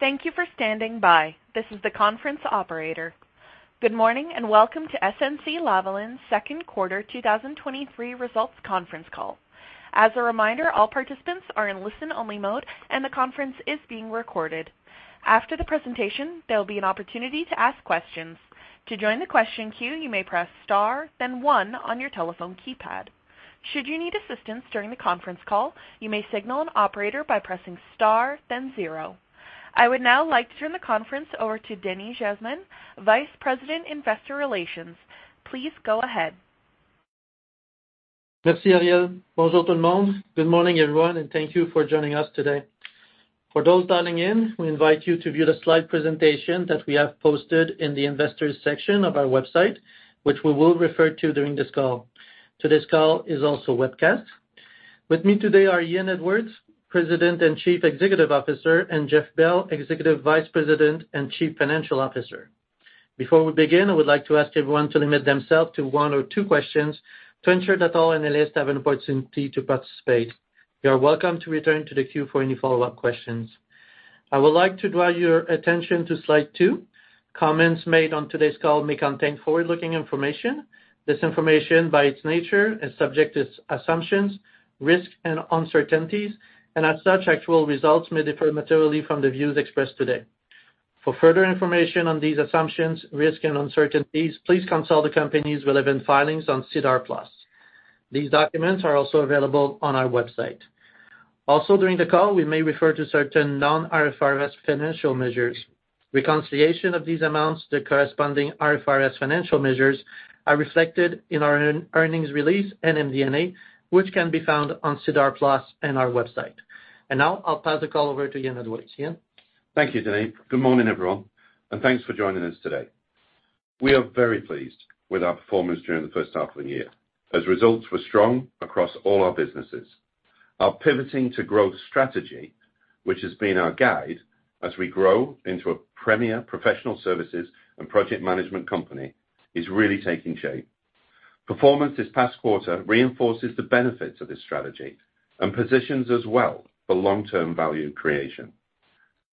Thank you for standing by. This is the conference operator. Good morning. Welcome to SNC-Lavalin's second quarter 2023 results conference call. As a reminder, all participants are in listen-only mode. The conference is being recorded. After the presentation, there will be an opportunity to ask questions. To join the question queue, you may press Star, then one on your telephone keypad. Should you need assistance during the conference call, you may signal an operator by pressing Star, then zero. I would now like to turn the conference over to Denis Jasmin, Vice President, Investor Relations. Please go ahead. Merci, Ariel. Bonjour tout le monde. Good morning, everyone, and thank you for joining us today. For those dialing in, we invite you to view the slide presentation that we have posted in the Investors section of our website, which we will refer to during this call. Today's call is also webcast. With me today are Ian Edwards, President and Chief Executive Officer, and Jeff Bell, Executive Vice President and Chief Financial Officer. Before we begin, I would like to ask everyone to limit themselves to one or two questions to ensure that all analysts have an opportunity to participate. You are welcome to return to the queue for any follow-up questions. I would like to draw your attention to slide two. Comments made on today's call may contain forward-looking information. This information, by its nature, is subject to assumptions, risks and uncertainties, and as such, actual results may differ materially from the views expressed today. For further information on these assumptions, risks and uncertainties, please consult the company's relevant filings on SEDAR+. These documents are also available on our website. Also, during the call, we may refer to certain non-IFRS financial measures. Reconciliation of these amounts to the corresponding IFRS financial measures are reflected in our earnings release and MD&A, which can be found on SEDAR+ and our website. Now I'll pass the call over to Ian Edwards. Ian? Thank you, Denis. Good morning, everyone, thanks for joining us today. We are very pleased with our performance during the first half of the year, as results were strong across all our businesses. Our Pivoting to Growth strategy, which has been our guide as we grow into a premier professional services and project management company, is really taking shape. Performance this past quarter reinforces the benefits of this strategy and positions us well for long-term value creation.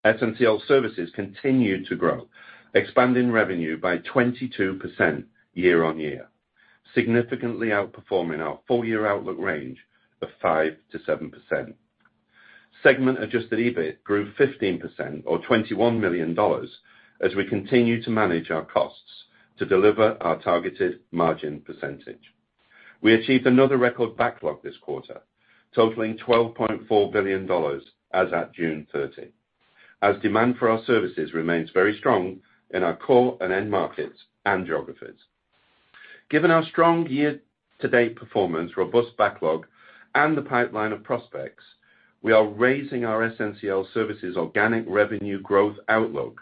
SNCL Services continued to grow, expanding revenue by 22% year-over-year, significantly outperforming our full-year outlook range of 5%-7%. Segment Adjusted EBIT grew 15% or 21 million dollars as we continue to manage our costs to deliver our targeted margin percentage. We achieved another record backlog this quarter, totaling $12.4 billion as at June 30, as demand for our services remains very strong in our core and end markets and geographies. Given our strong year-to-date performance, robust backlog, and the pipeline of prospects, we are raising our SNCL Services organic revenue growth outlook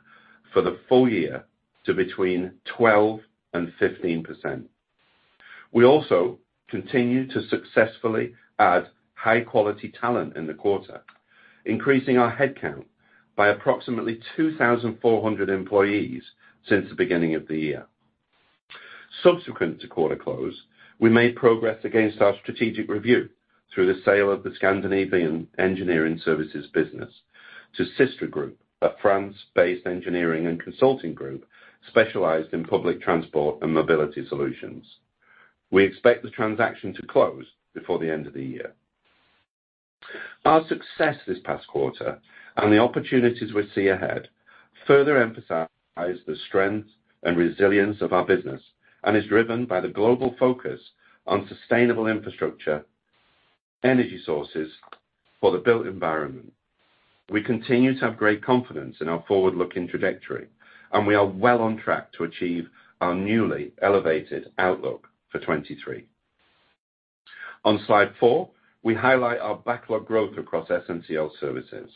for the full year to between 12% and 15%. We also continued to successfully add high-quality talent in the quarter, increasing our headcount by approximately 2,400 employees since the beginning of the year. Subsequent to quarter close, we made progress against our strategic review through the sale of the Scandinavian Engineering Services business to SYSTRA Group, a France-based engineering and consulting group specialized in public transport and mobility solutions. We expect the transaction to close before the end of the year. Our success this past quarter and the opportunities we see ahead further emphasize the strength and resilience of our business and is driven by the global focus on sustainable infrastructure, energy sources for the built environment. We continue to have great confidence in our forward-looking trajectory, and we are well on track to achieve our newly elevated outlook for 2023. On Slide four, we highlight our backlog growth across SNCL Services.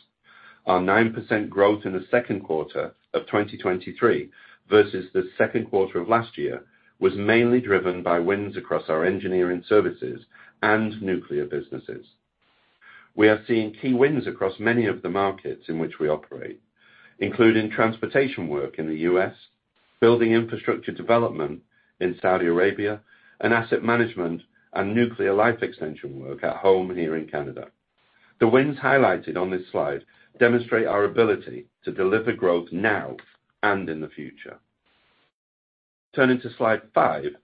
Our 9% growth in the 2Q of 2023 versus the 2Q of last year was mainly driven by wins across our engineering services and nuclear businesses. We are seeing key wins across many of the markets in which we operate, including transportation work in the U.S., building infrastructure development in Saudi Arabia, and asset management and nuclear life extension work at home here in Canada. The wins highlighted on this slide demonstrate our ability to deliver growth now and in the future. Turning to Slide five,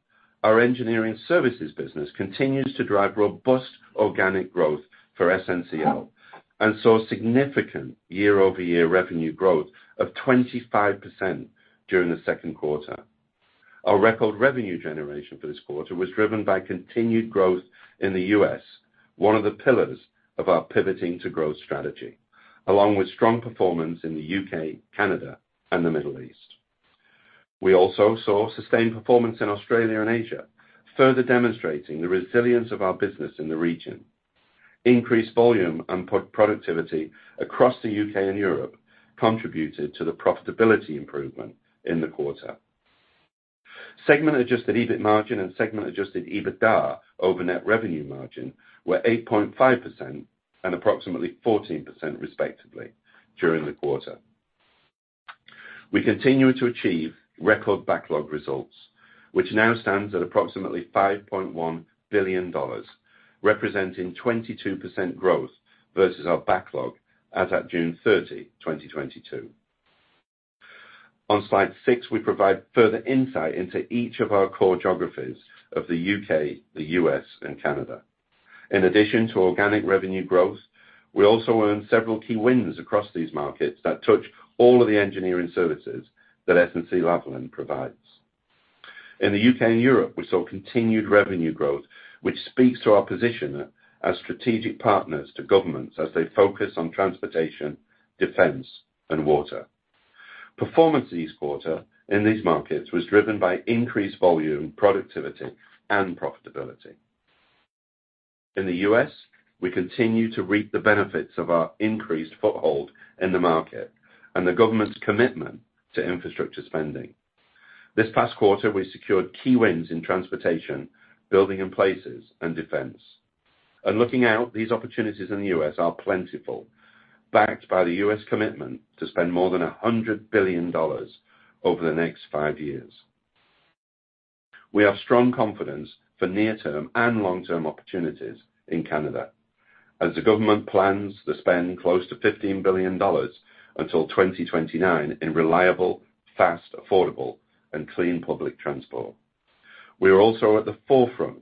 our engineering services business continues to drive robust organic growth for SNCL and saw significant year-over-year revenue growth of 25% during the second quarter. Our record revenue generation for this quarter was driven by continued growth in the U.S., one of the pillars of our Pivoting to Growth strategy, along with strong performance in the U.K., Canada, and the Middle East. We also saw sustained performance in Australia and Asia, further demonstrating the resilience of our business in the region. Increased volume and productivity across the U.K. and Europe contributed to the profitability improvement in the quarter. Segment Adjusted EBIT margin and Segment Adjusted EBITDAR over net revenue margin were 8.5% and approximately 14%, respectively, during the quarter. We continue to achieve record backlog results, which now stands at approximately $5.1 billion, representing 22% growth versus our backlog as at June 30, 2022. On slide six, we provide further insight into each of our core geographies of the U.K., the U.S., and Canada. In addition to organic revenue growth, we also earned several key wins across these markets that touch all of the engineering services that SNC-Lavalin provides. In the U.K. and Europe, we saw continued revenue growth, which speaks to our position as strategic partners to governments as they focus on transportation, defense, and water. Performance this quarter in these markets was driven by increased volume, productivity, and profitability. In the U.S., we continue to reap the benefits of our increased foothold in the market and the government's commitment to infrastructure spending. This past quarter, we secured key wins in transportation, building and places, and defense. Looking out, these opportunities in the U.S. are plentiful, backed by the U.S. commitment to spend more than $100 billion over the next five years. We have strong confidence for near-term and long-term opportunities in Canada as the government plans to spend close to 15 billion dollars until 2029 in reliable, fast, affordable, and clean public transport. We are also at the forefront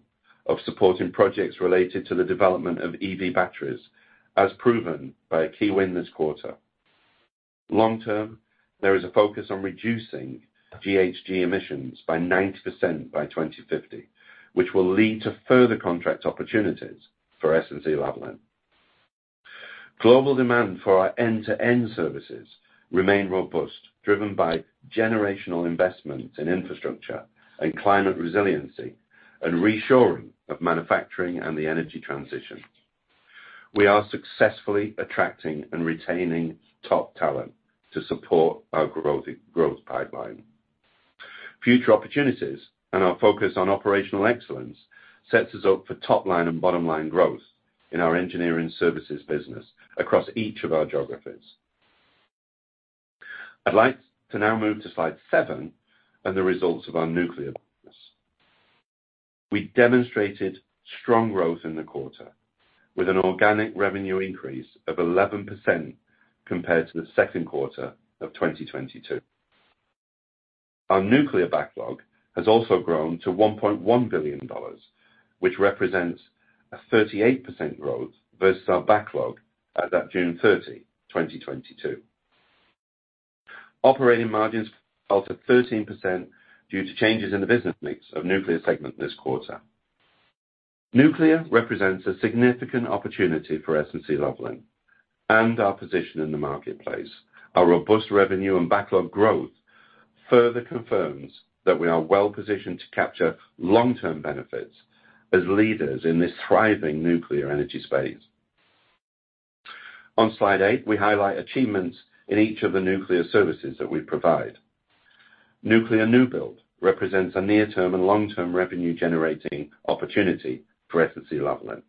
of supporting projects related to the development of EV batteries, as proven by a key win this quarter. Long term, there is a focus on reducing GHG emissions by 90% by 2050, which will lead to further contract opportunities for SNC-Lavalin. Global demand for our end-to-end services remain robust, driven by generational investments in infrastructure and climate resiliency and reshoring of manufacturing and the energy transition. We are successfully attracting and retaining top talent to support our growing growth pipeline. Future opportunities and our focus on operational excellence sets us up for top line and bottom-line growth in our engineering services business across each of our geographies. I'd like to now move to slide seven and the results of our nuclear business. We demonstrated strong growth in the quarter, with an organic revenue increase of 11% compared to the second quarter of 2022. Our nuclear backlog has also grown to 1.1 billion dollars, which represents a 38% growth versus our backlog at that June 30, 2022. Operating margins fell to 13% due to changes in the business mix of nuclear segment this quarter. Nuclear represents a significant opportunity for SNC-Lavalin and our position in the marketplace. Our robust revenue and backlog growth further confirms that we are well positioned to capture long-term benefits as leaders in this thriving nuclear energy space. On slide eight, we highlight achievements in each of the nuclear services that we provide. Nuclear new build represents a near-term and long-term revenue generating opportunity for SNC-Lavalin.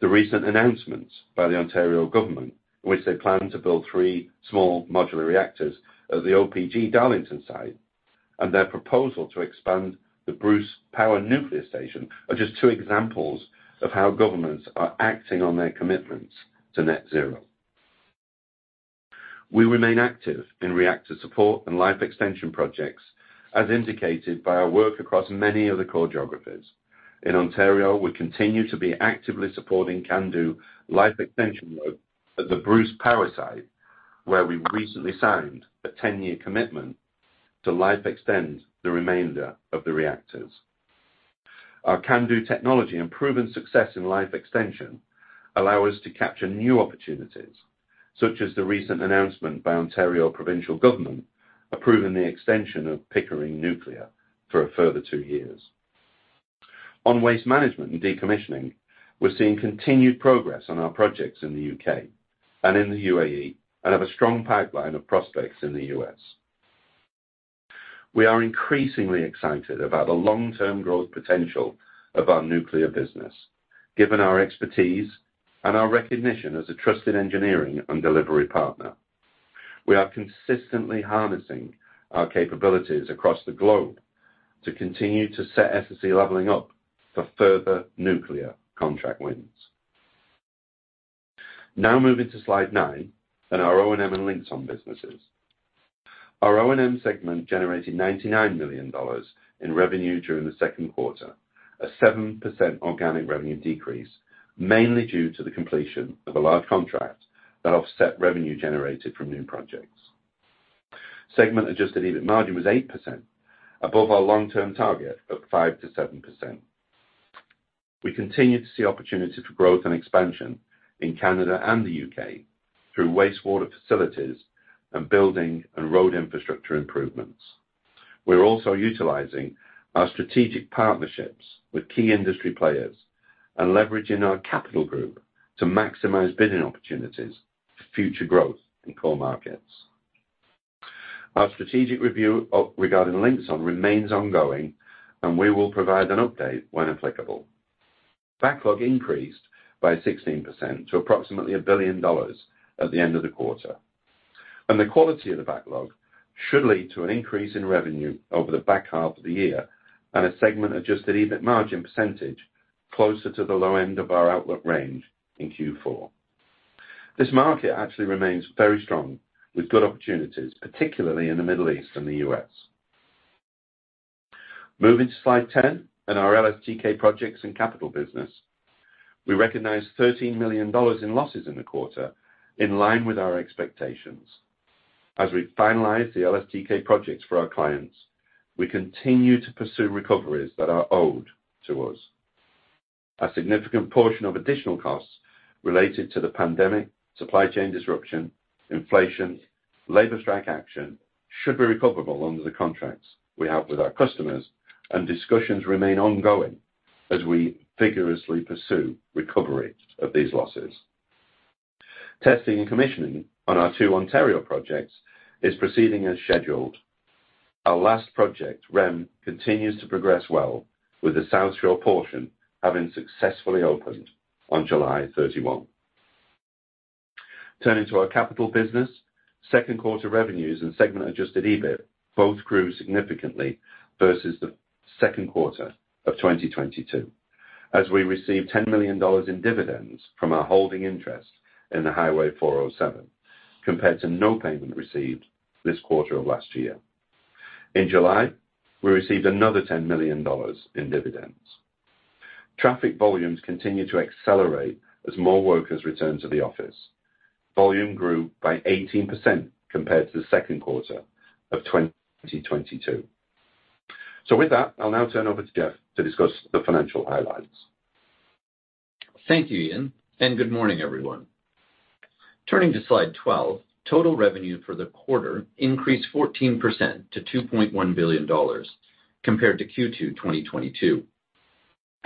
The recent announcements by the Ontario government, in which they plan to build three small modular reactors at the OPG Darlington site, and their proposal to expand the Bruce Power nuclear station, are just two examples of how governments are acting on their commitments to net zero. We remain active in reactor support and life extension projects, as indicated by our work across many of the core geographies. In Ontario, we continue to be actively supporting CANDU Life Extension work at the Bruce Power site, where we recently signed a 10-year commitment to life extend the remainder of the reactors. Our CANDU technology and proven success in life extension allow us to capture new opportunities, such as the recent announcement by Ontario provincial government approving the extension of Pickering Nuclear for a further two years. On waste management and decommissioning, we're seeing continued progress on our projects in the U.K. and in the UAE, and have a strong pipeline of prospects in the U.S. We are increasingly excited about the long-term growth potential of our nuclear business, given our expertise and our recognition as a trusted engineering and delivery partner. We are consistently harnessing our capabilities across the globe to continue to set SNC-Lavalin up for further nuclear contract wins. Now moving to slide nine and our O&M and Linxon businesses. Our O&M segment generated $99 million in revenue during the second quarter, a 7% organic revenue decrease, mainly due to the completion of a large contract that offset revenue generated from new projects. Segment Adjusted EBIT margin was 8%, above our long-term target of 5%-7%. We continue to see opportunity for growth and expansion in Canada and the U.K. through wastewater facilities and building and road infrastructure improvements. We're also utilizing our strategic partnerships with key industry players and leveraging our capital group to maximize bidding opportunities for future growth in core markets. Our strategic review of regarding Linxon remains ongoing. We will provide an update when applicable. Backlog increased by 16% to approximately $1 billion at the end of the quarter. The quality of the backlog should lead to an increase in revenue over the back half of the year and a Segment Adjusted EBIT margin percentage closer to the low end of our outlook range in Q4. This market actually remains very strong, with good opportunities, particularly in the Middle East and the U.S. Moving to slide 10 and our LSTK Projects and Capital business. We recognized $13 million in losses in the quarter, in line with our expectations. As we finalize the LSTK projects for our clients, we continue to pursue recoveries that are owed to us. A significant portion of additional costs related to the pandemic, supply chain disruption, inflation, labor strike action, should be recoverable under the contracts we have with our customers, and discussions remain ongoing as we vigorously pursue recovery of these losses. Testing and commissioning on our two Ontario projects is proceeding as scheduled. Our last project, REM, continues to progress well, with the South Shore portion having successfully opened on July 31. Turning to our capital business, second quarter revenues and Segment Adjusted EBIT both grew significantly versus the second quarter of 2022, as we received 10 million dollars in dividends from our holding interest in the Highway 407, compared to no payment received this quarter of last year. In July, we received another 10 million dollars in dividends. Traffic volumes continue to accelerate as more workers return to the office. Volume grew by 18% compared to the second quarter of 2022. With that, I'll now turn over to Jeff to discuss the financial highlights. Thank you, Ian. Good morning, everyone. Turning to slide 12, total revenue for the quarter increased 14% to $2.1 billion, compared to Q2 2022.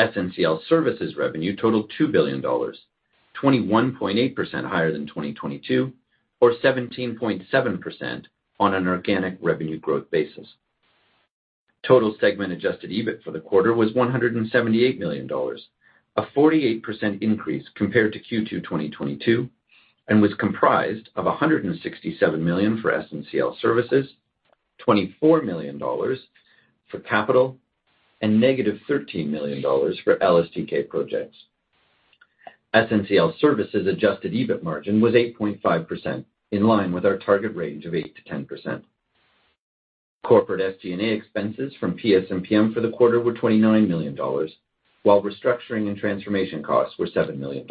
SNCL Services revenue totaled $2 billion, 21.8% higher than 2022, or 17.7% on an organic revenue growth basis. Total Segment Adjusted EBIT for the quarter was $178 million, a 48% increase compared to Q2 2022, and was comprised of $167 million for SNCL Services, $24 million for capital, and -$13 million for LSTK Projects. SNCL Services adjusted EBIT margin was 8.5%, in line with our target range of 8%-10%. Corporate SG&A expenses from PS&PM for the quarter were $29 million, while restructuring and transformation costs were $7 million.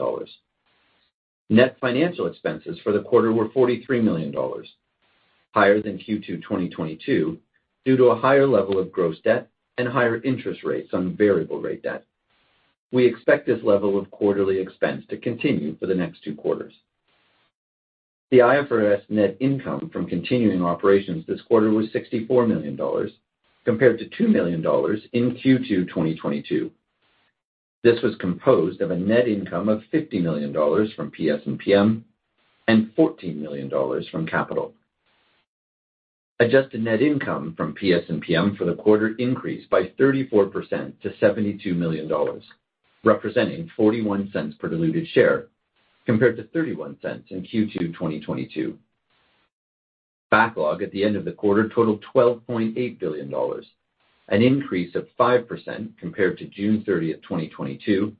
Net financial expenses for the quarter were $43 million, higher than Q2 2022, due to a higher level of gross debt and higher interest rates on variable rate debt. We expect this level of quarterly expense to continue for the next two quarters. The IFRS net income from continuing operations this quarter was $64 million, compared to $2 million in Q2 2022. This was composed of a net income of $50 million from PS&PM and $14 million from capital. Adjusted net income from PS&PM for the quarter increased by 34% to $72 million, representing $0.41 per diluted share, compared to $0.31 in Q2 2022. Backlog at the end of the quarter totaled 12.8 billion dollars, an increase of 5% compared to June 30th, 2022,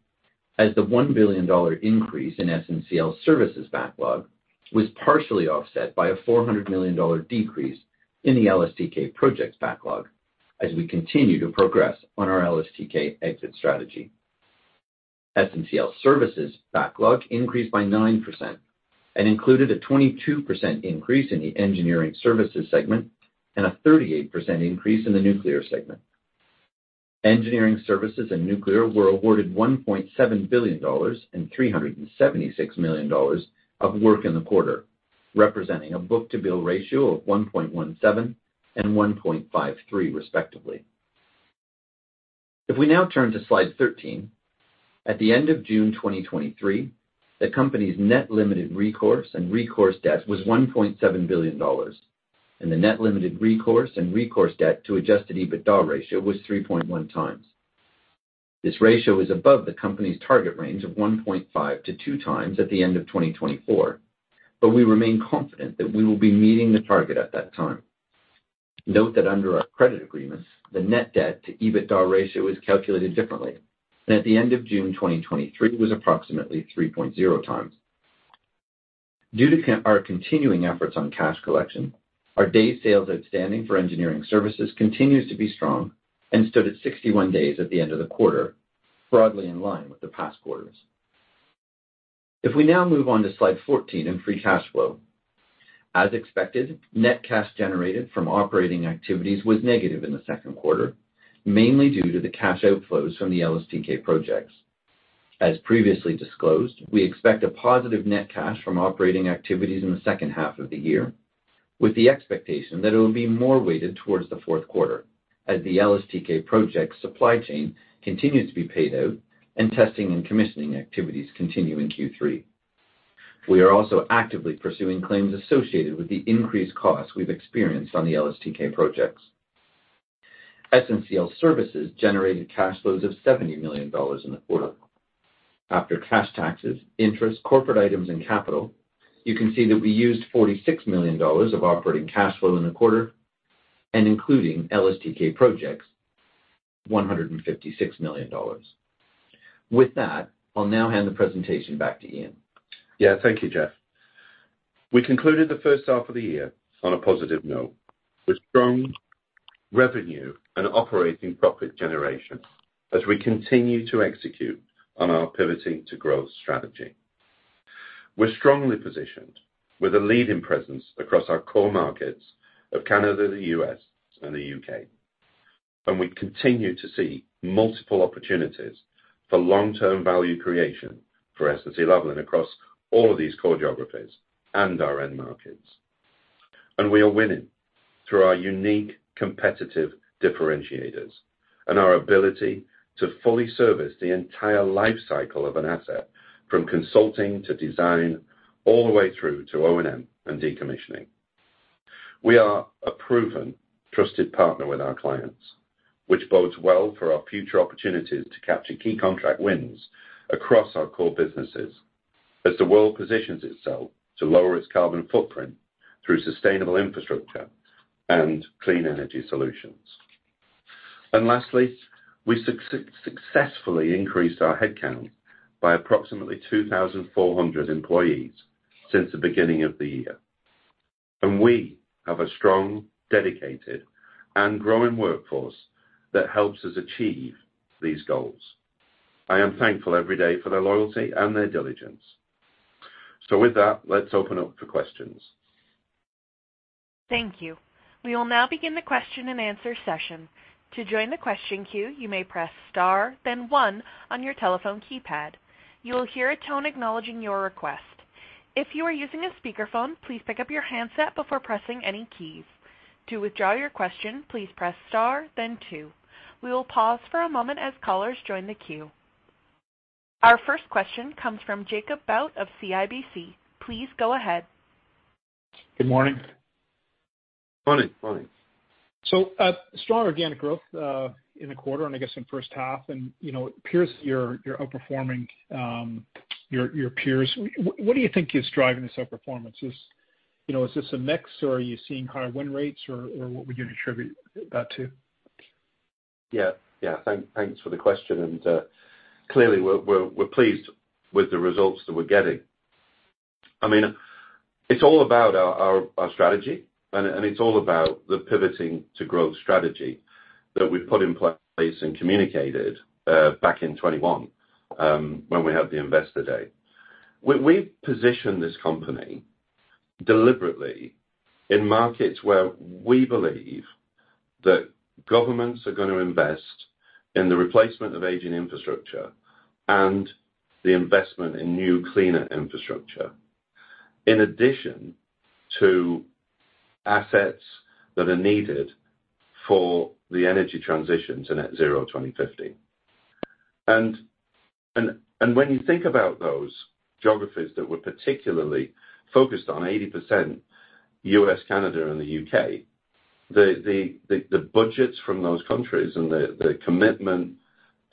as the 1 billion dollar increase in SNCL Services backlog was partially offset by a 400 million dollar decrease in the LSTK Projects backlog as we continue to progress on our LSTK exit strategy. SNCL Services backlog increased by 9% and included a 22% increase in the engineering services segment and a 38% increase in the nuclear segment. Engineering services and nuclear were awarded 1.7 billion dollars and 376 million dollars of work in the quarter, representing a book-to-bill ratio of 1.17 and 1.53, respectively. If we now turn to slide 13, at the end of June 2023, the company's net limited recourse and recourse debt was $1.7 billion, and the net limited recourse and recourse debt to adjusted EBITDA ratio was 3.1x. This ratio is above the company's target range of 1.5-2x at the end of 2024. We remain confident that we will be meeting the target at that time. Note that under our credit agreements, the net debt to EBITDA ratio is calculated differently. At the end of June 2023 was approximately 3.0x. Due to our continuing efforts on cash collection, our days sales outstanding for engineering services continues to be strong and stood at 61 days at the end of the quarter, broadly in line with the past quarters. If we now move on to slide 14 in free cash flow. As expected, net cash generated from operating activities was negative in the second quarter, mainly due to the cash outflows from the LSTK projects. As previously disclosed, we expect a positive net cash from operating activities in the second half of the year, with the expectation that it will be more weighted towards the fourth quarter as the LSTK projects supply chain continues to be paid out and testing and commissioning activities continue in Q3. We are also actively pursuing claims associated with the increased costs we've experienced on the LSTK projects. SNCL Services generated cash flows of 70 million dollars in the quarter. After cash taxes, interest, corporate items, and capital, you can see that we used 46 million dollars of operating cash flow in the quarter, and including LSTK projects, 156 million dollars. With that, I'll now hand the presentation back to Ian. Yeah. Thank you, Jeff. We concluded the first half of the year on a positive note, with strong revenue and operating profit generation as we continue to execute on our Pivoting to Growth strategy. We're strongly positioned with a leading presence across our core markets of Canada, the U.S., and the U.K., we continue to see multiple opportunities for long-term value creation for SNC-Lavalin across all of these core geographies and our end markets. We are winning through our unique competitive differentiators and our ability to fully service the entire life cycle of an asset, from consulting to design, all the way through to O&M and decommissioning. We are a proven, trusted partner with our clients, which bodes well for our future opportunities to capture key contract wins across our core businesses as the world positions itself to lower its carbon footprint through sustainable infrastructure and clean energy solutions. Lastly, we successfully increased our headcount by approximately 2,400 employees since the beginning of the year. We have a strong, dedicated, and growing workforce that helps us achieve these goals. I am thankful every day for their loyalty and their diligence. With that, let's open up for questions. Thank you. We will now begin the question-and-answer session. To join the question queue, you may press star, then 1 on your telephone keypad. You will hear a tone acknowledging your request. If you are using a speakerphone, please pick up your handset before pressing any keys. To withdraw your question, please press star then 2. We will pause for a moment as callers join the queue. Our first question comes from Jacob Bout of CIBC. Please go ahead. Good morning. Morning, morning. Strong organic growth in the quarter, and I guess in first half, and, you know, it appears that you're, you're outperforming, your, your peers. What do you think is driving this outperformance? Is, you know, is this a mix, or are you seeing higher win rates, or, or what would you attribute that to? Yeah. Yeah. Thank, thanks for the question. Clearly, we're, we're, we're pleased with the results that we're getting. I mean, it's all about our, our, our strategy. It's all about the Pivoting to Growth strategy that we put in place and communicated back in 2021, when we had the Investor Day. We, we positioned this company deliberately in markets where we believe that governments are gonna invest in the replacement of aging infrastructure and the investment in new, cleaner infrastructure, in addition to assets that are needed for the energy transition to net zero 2050. When you think about those geographies that we're particularly focused on, 80% U.S., Canada, and the U.K., the, the, the, the budgets from those countries and the, the commitment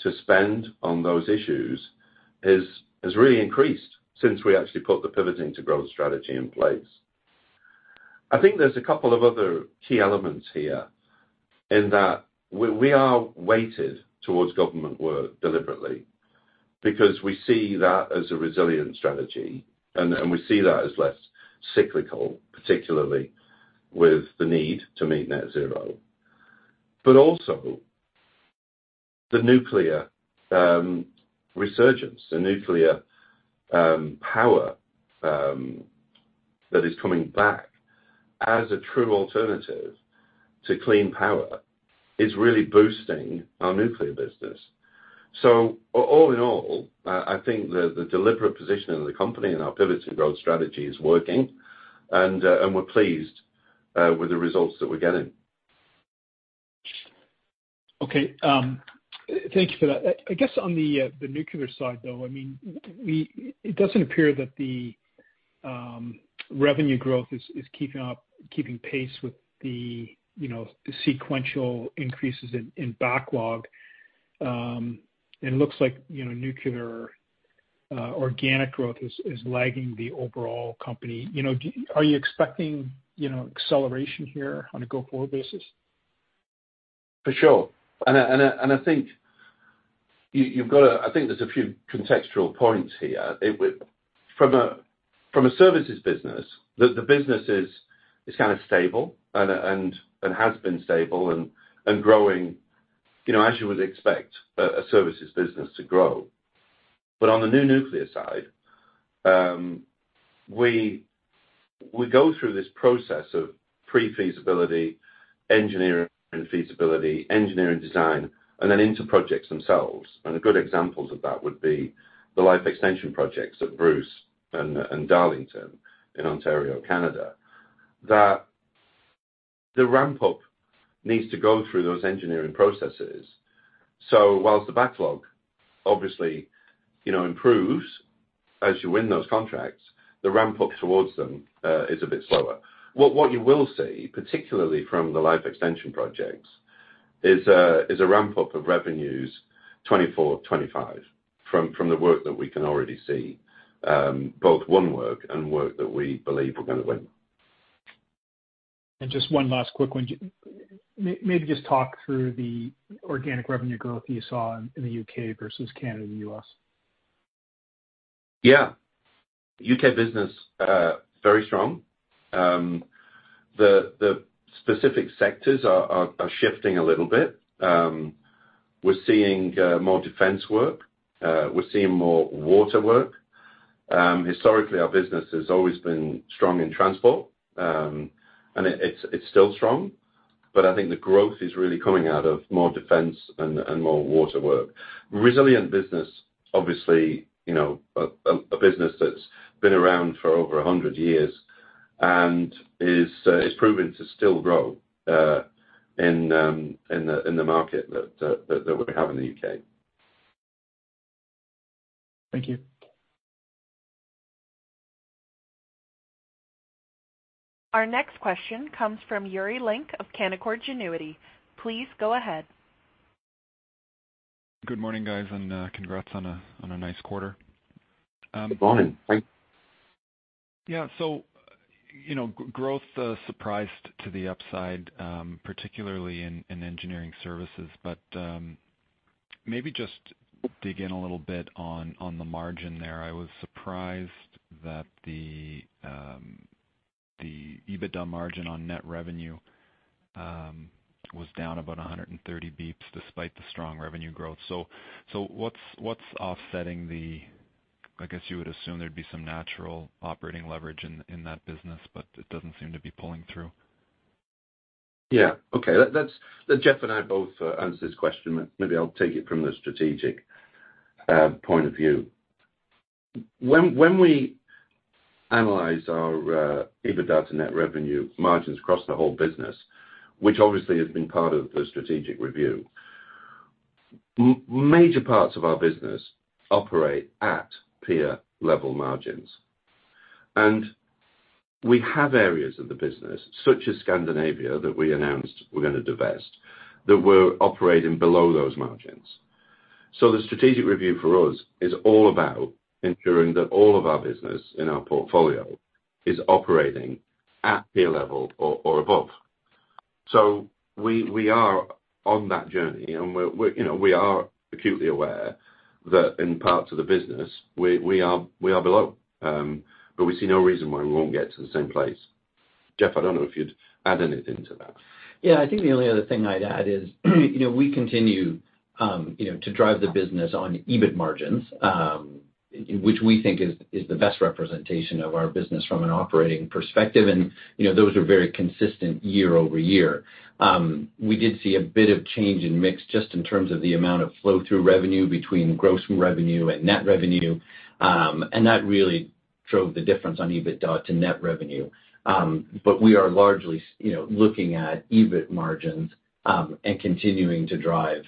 to spend on those issues has, has really increased since we actually put the Pivoting to Growth strategy in place. I think there's a couple of other key elements here, in that we are weighted towards government work deliberately, because we see that as a resilient strategy, and, and we see that as less cyclical, particularly with the need to meet net zero. Also, the nuclear resurgence, the nuclear power that is coming back as a true alternative to clean power, is really boosting our nuclear business. All in all, I think the, the deliberate positioning of the company and our Pivoting to Growth strategy is working, and, and we're pleased, with the results that we're getting. Okay. Thank you for that. I, I guess on the nuclear side, though, I mean, it doesn't appear that the revenue growth is, is keeping up, keeping pace with the, you know, the sequential increases in, in backlog. It looks like, you know, nuclear organic growth is, is lagging the overall company. You know, Are you expecting, you know, acceleration here on a go-forward basis? For sure. I, and I, and I think you, you've got I think there's a few contextual points here. From a, from a services business, the, the business is, is kind of stable and, and, and has been stable and, and growing, you know, as you would expect a, a services business to grow. On the new nuclear side, we, we go through this process of pre-feasibility, engineering and feasibility, engineering design, and then into projects themselves. A good example of that would be the life extension projects at Bruce and, and Darlington in Ontario, Canada, the ramp up needs to go through those engineering processes. Whilst the backlog obviously, you know, improves as you win those contracts, the ramp up towards them, is a bit slower. What you will see, particularly from the life extension projects, is a ramp up of revenues 2024, 2025, from the work that we can already see, both won work and work that we believe we're gonna win. Just one last quick one. Maybe just talk through the organic revenue growth you saw in, in the U.K. versus Canada and the U.S.? Yeah. U.K. business, very strong. The specific sectors are shifting a little bit. We're seeing more defense work. We're seeing more water work. Historically, our business has always been strong in transport, and it's still strong, but I think the growth is really coming out of more defense and more water work. Resilient business, obviously, you know, a business that's been around for over 100 years and is proven to still grow in the market that we have in the U.K. Thank you. Our next question comes from Yuri Lynk of Canaccord Genuity. Please go ahead. Good morning, guys. Congrats on a, on a nice quarter. Good morning. Yeah, you know, growth surprised to the upside, particularly in engineering services, but maybe just dig in a little bit on the margin there. I was surprised that the EBITDA margin on net revenue was down about 130 basis points despite the strong revenue growth. What's, what's offsetting the- I guess you would assume there'd be some natural operating leverage in that business, but it doesn't seem to be pulling through. Yeah. Okay. Let's Let Jeff and I both answer this question, but maybe I'll take it from the strategic point of view. When, when we analyze our EBITDA to net revenue margins across the whole business, which obviously has been part of the strategic review, major parts of our business operate at peer level margins. We have areas of the business, such as Scandinavia, that we announced we're gonna divest, that we're operating below those margins. The strategic review for us is all about ensuring that all of our business in our portfolio is operating at peer level or, or above. We see no reason why we won't get to the same place. Jeff, I don't know if you'd add anything to that? Yeah, I think the only other thing I'd add is, you know, we continue, you know, to drive the business on EBIT margins, which we think is, is the best representation of our business from an operating perspective. You know, those are very consistent year-over-year. We did see a bit of change in mix just in terms of the amount of flow-through revenue between gross revenue and net revenue, and that really drove the difference on EBITDA to net revenue. We are largely you know, looking at EBIT margins, and continuing to drive,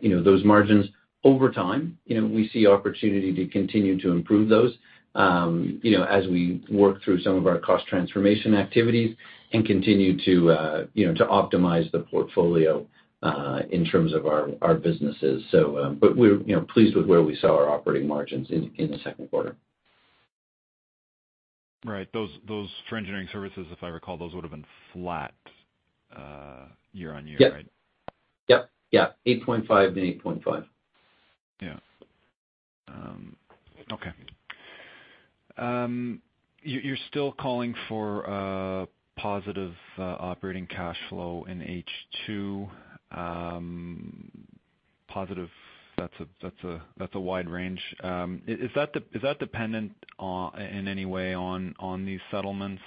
you know, those margins over time. You know, we see opportunity to continue to improve those, you know, as we work through some of our cost transformation activities and continue to, you know, to optimize the portfolio, in terms of our, our businesses. But we're, you know, pleased with where we saw our operating margins in, in the second quarter. Right. Those, those for engineering services, if I recall, those would have been flat, year-on-year, right? Yep. Yeah, 8.5 and 8.5. Yeah. Okay. You, you're still calling for a positive operating cash flow in H2. Positive, that's a, that's a, that's a wide range. Is, is that dependent on, in any way on, on these settlements?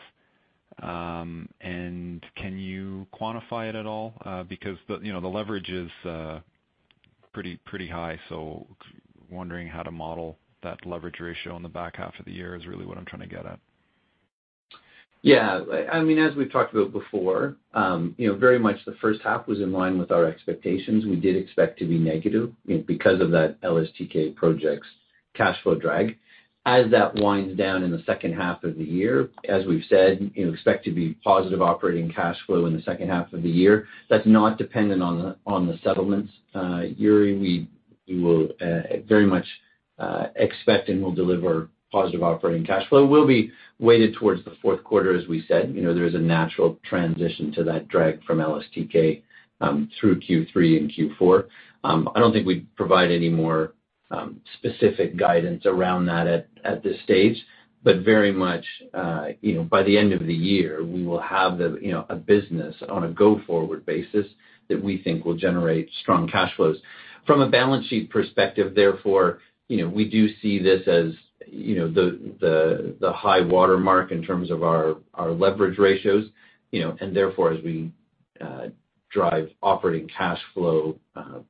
Can you quantify it at all? Because the, you know, the leverage is pretty, pretty high, so wondering how to model that leverage ratio on the back half of the year is really what I'm trying to get at. Yeah. I, I mean, as we've talked about before, you know, very much the first half was in line with our expectations. We did expect to be negative, you know, because of that LSTK project's cash flow drag. As that winds down in the second half of the year, as we've said, you know, expect to be positive operating cash flow in the second half of the year. That's not dependent on the, on the settlements. Yuri, we, we will, very much, expect and will deliver positive operating cash flow, will be weighted towards the fourth quarter, as we said. You know, there is a natural transition to that drag from LSTK, through Q3 and Q4. I don't think we'd provide any more specific guidance around that at, at this stage, but very much, you know, by the end of the year, we will have the, you know, a business on a go-forward basis that we think will generate strong cash flows. From a balance sheet perspective, therefore, you know, we do see this as, you know, the, the, the high water mark in terms of our, our leverage ratios, you know, and therefore, as we... drive operating cash flow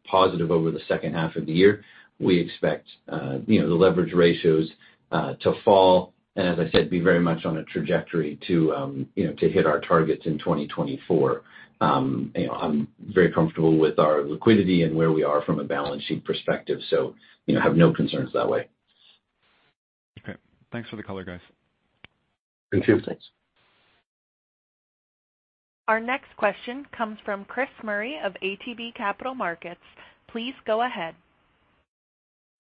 positive over the second half of the year. We expect, you know, the leverage ratios to fall, and as I said, be very much on a trajectory to, you know, to hit our targets in 2024. You know, I'm very comfortable with our liquidity and where we are from a balance sheet perspective, so, you know, have no concerns that way. Okay. Thanks for the color, guys. Thank you. Thanks. Our next question comes from Chris Murray of ATB Capital Markets. Please go ahead.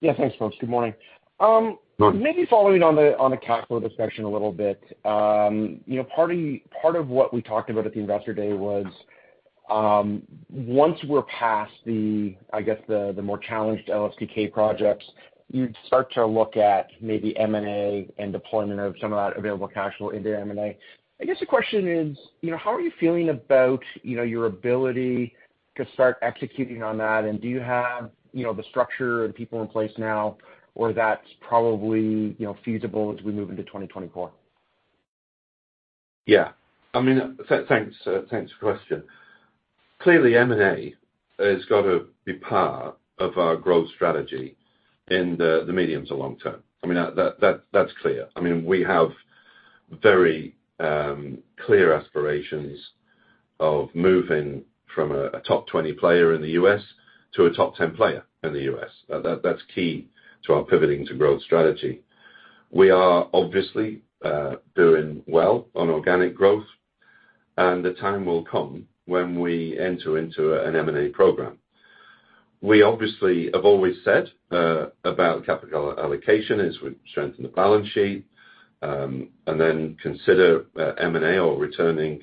Yeah, thanks, folks. Good morning. Good. Maybe following on the, on the cash flow discussion a little bit. You know, part of, part of what we talked about at the Investor Day was, once we're past the, I guess, the, the more challenged LSTK projects, you'd start to look at maybe M&A and deployment of some of that available cash flow into M&A. I guess, the question is: You know, how are you feeling about, you know, your ability to start executing on that? Do you have, you know, the structure and people in place now, or that's probably, you know, feasible as we move into 2024? Yeah. I mean, thanks, thanks for the question. Clearly, M&A has got to be part of our growth strategy in the medium to long term. I mean, that, that's clear. I mean, we have very clear aspirations of moving from a top 20 player in the U.S. to a top 10 player in the U.S. That, that's key to our Pivoting to Growth strategy. We are obviously doing well on organic growth, and the time will come when we enter into an M&A program. We obviously have always said about capital allocation, is we strengthen the balance sheet, and then consider M&A or returning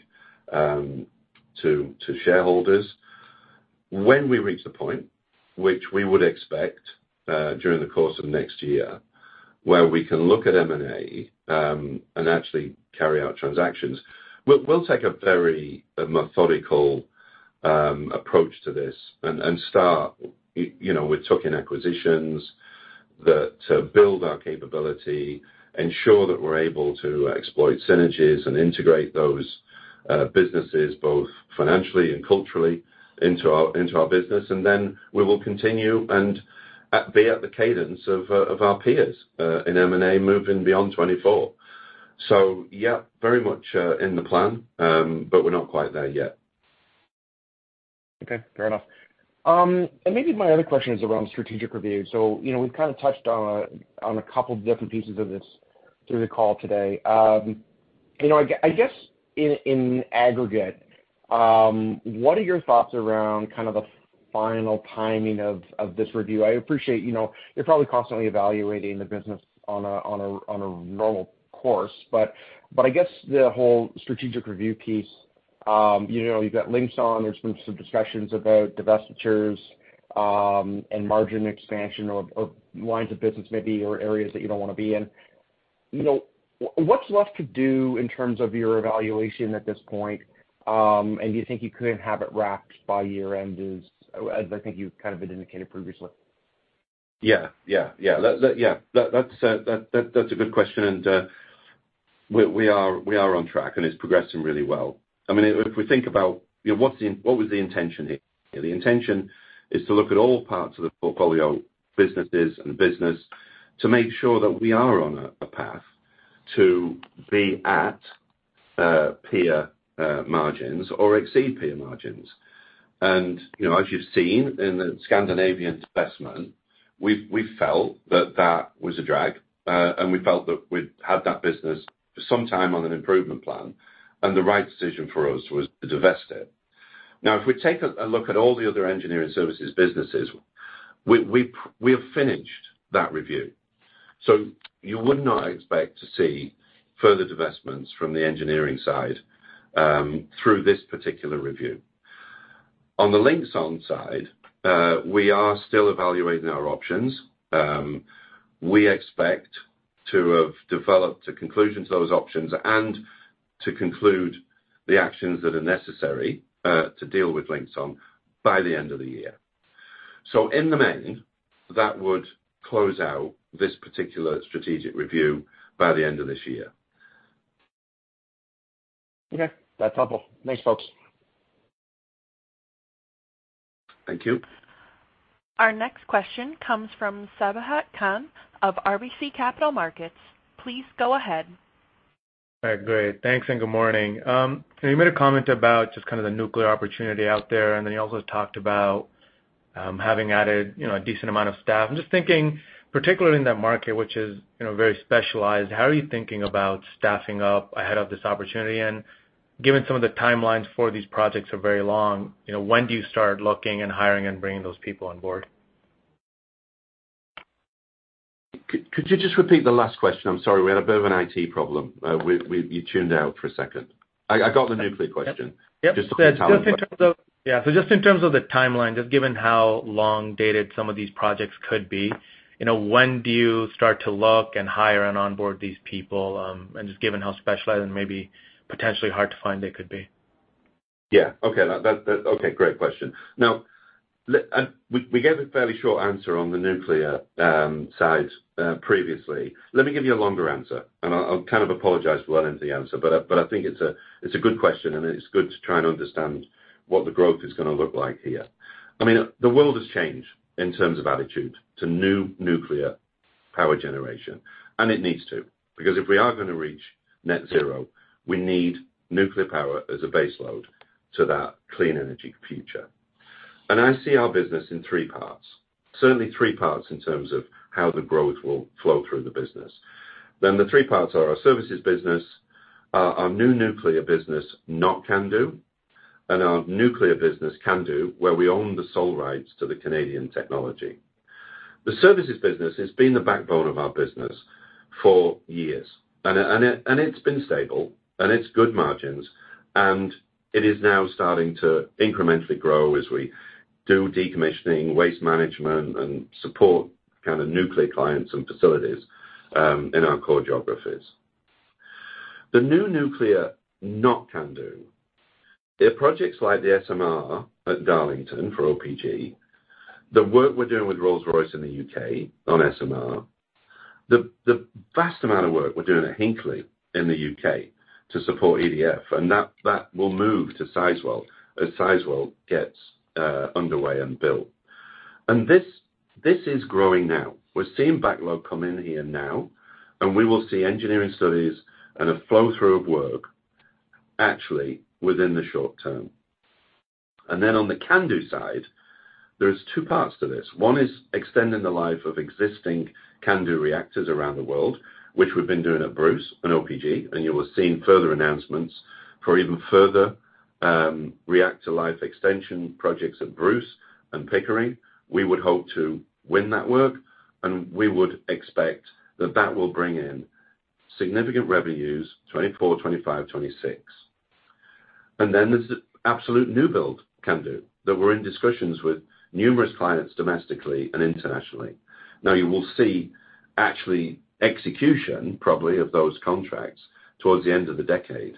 to shareholders. When we reach the point, which we would expect, during the course of next year, where we can look at M&A, and actually carry out transactions, we'll, we'll take a very methodical approach to this and, and start, you know, with token acquisitions that build our capability, ensure that we're able to exploit synergies and integrate those businesses, both financially and culturally, into our, into our business. We will continue and be at the cadence of our peers, in M&A, moving beyond 2024. Yeah, very much, in the plan, but we're not quite there yet. Okay, fair enough. Maybe my other question is around strategic review. You know, we've kind of touched on a couple of different pieces of this through the call today. You know, I guess in aggregate, what are your thoughts around kind of the final timing of this review? I appreciate, you know, you're probably constantly evaluating the business on a, on a, on a normal course, but I guess the whole strategic review piece, you know, you've got Linxon, there's been some discussions about divestitures, and margin expansion of lines of business maybe, or areas that you don't wanna be in. You know, what's left to do in terms of your evaluation at this point, and do you think you could have it wrapped by year end, as, as I think you've kind of indicated previously? Yeah, yeah, yeah. Let, let, yeah. That, that's a, that, that's a good question, and we, we are, we are on track, and it's progressing really well. I mean, if, if we think about, you know, what's the... What was the intention here? The intention is to look at all parts of the portfolio, businesses and business, to make sure that we are on a, a path to be at peer margins or exceed peer margins. You know, as you've seen in the Scandinavian investment, we, we felt that that was a drag, and we felt that we'd had that business for some time on an improvement plan, and the right decision for us was to divest it. If we take a look at all the other engineering services businesses, we have finished that review, so you would not expect to see further divestments from the engineering side through this particular review. On the Linxon side, we are still evaluating our options. We expect to have developed a conclusion to those options and to conclude the actions that are necessary to deal with Linxon by the end of the year. In the main, that would close out this particular strategic review by the end of this year. Okay, that's helpful. Thanks, folks. Thank you. Our next question comes from Sabahat Khan of RBC Capital Markets. Please go ahead. All right, great. Thanks, and good morning. You made a comment about just kind of the nuclear opportunity out there, and then you also talked about having added, you know, a decent amount of staff. I'm just thinking, particularly in that market, which is, you know, very specialized, how are you thinking about staffing up ahead of this opportunity? Given some of the timelines for these projects are very long, you know, when do you start looking and hiring and bringing those people on board? could you just repeat the last question? I'm sorry. We had a bit of an IT problem. you tuned out for a second. I got the nuclear question. Yep, yep. Just the timeline. Just in terms of... Yeah, just in terms of the timeline, just given how long dated some of these projects could be, you know, when do you start to look and hire and onboard these people, and just given how specialized and maybe potentially hard to find they could be? Yeah. Okay, that, that, okay, great question. We, we gave a fairly short answer on the nuclear side previously. Let me give you a longer answer, and I'll, I'll kind of apologize for the length of the answer, but I, but I think it's a, it's a good question, and it's good to try and understand what the growth is gonna look like here. I mean, the world has changed in terms of attitude to new nuclear power generation, and it needs to, because if we are gonna reach net zero, we need nuclear power as a base load to that clean energy future. I see our business in three parts, certainly three parts in terms of how the growth will flow through the business. The three parts are our services business, our new nuclear business, not CANDU, and our nuclear business, CANDU, where we own the sole rights to the Canadian technology. The services business has been the backbone of our business for years, and it, and it, and it's been stable, and it's good margins, and it is now starting to incrementally grow as we do decommissioning, waste management, and support kind of nuclear clients and facilities in our core geographies. The new nuclear, not CANDU. They're projects like the SMR at Darlington for OPG, the work we're doing with Rolls-Royce in the U.K. on SMR, the vast amount of work we're doing at Hinkley in the U.K. to support EDF, and that, that will move to Sizewell as Sizewell gets underway and built. This, this is growing now. We're seeing backlog come in here now, we will see engineering studies and a flow-through of work actually within the short term. Then on the CANDU side, there's two parts to this. One is extending the life of existing CANDU reactors around the world, which we've been doing at Bruce and OPG, and you will see further announcements for even further reactor life extension projects at Bruce and Pickering. We would hope to win that work, and we would expect that that will bring in significant revenues, 2024, 2025, 2026. Then there's the absolute new build CANDU, that we're in discussions with numerous clients, domestically and internationally. Now, you will see actually execution, probably, of those contracts towards the end of the decade,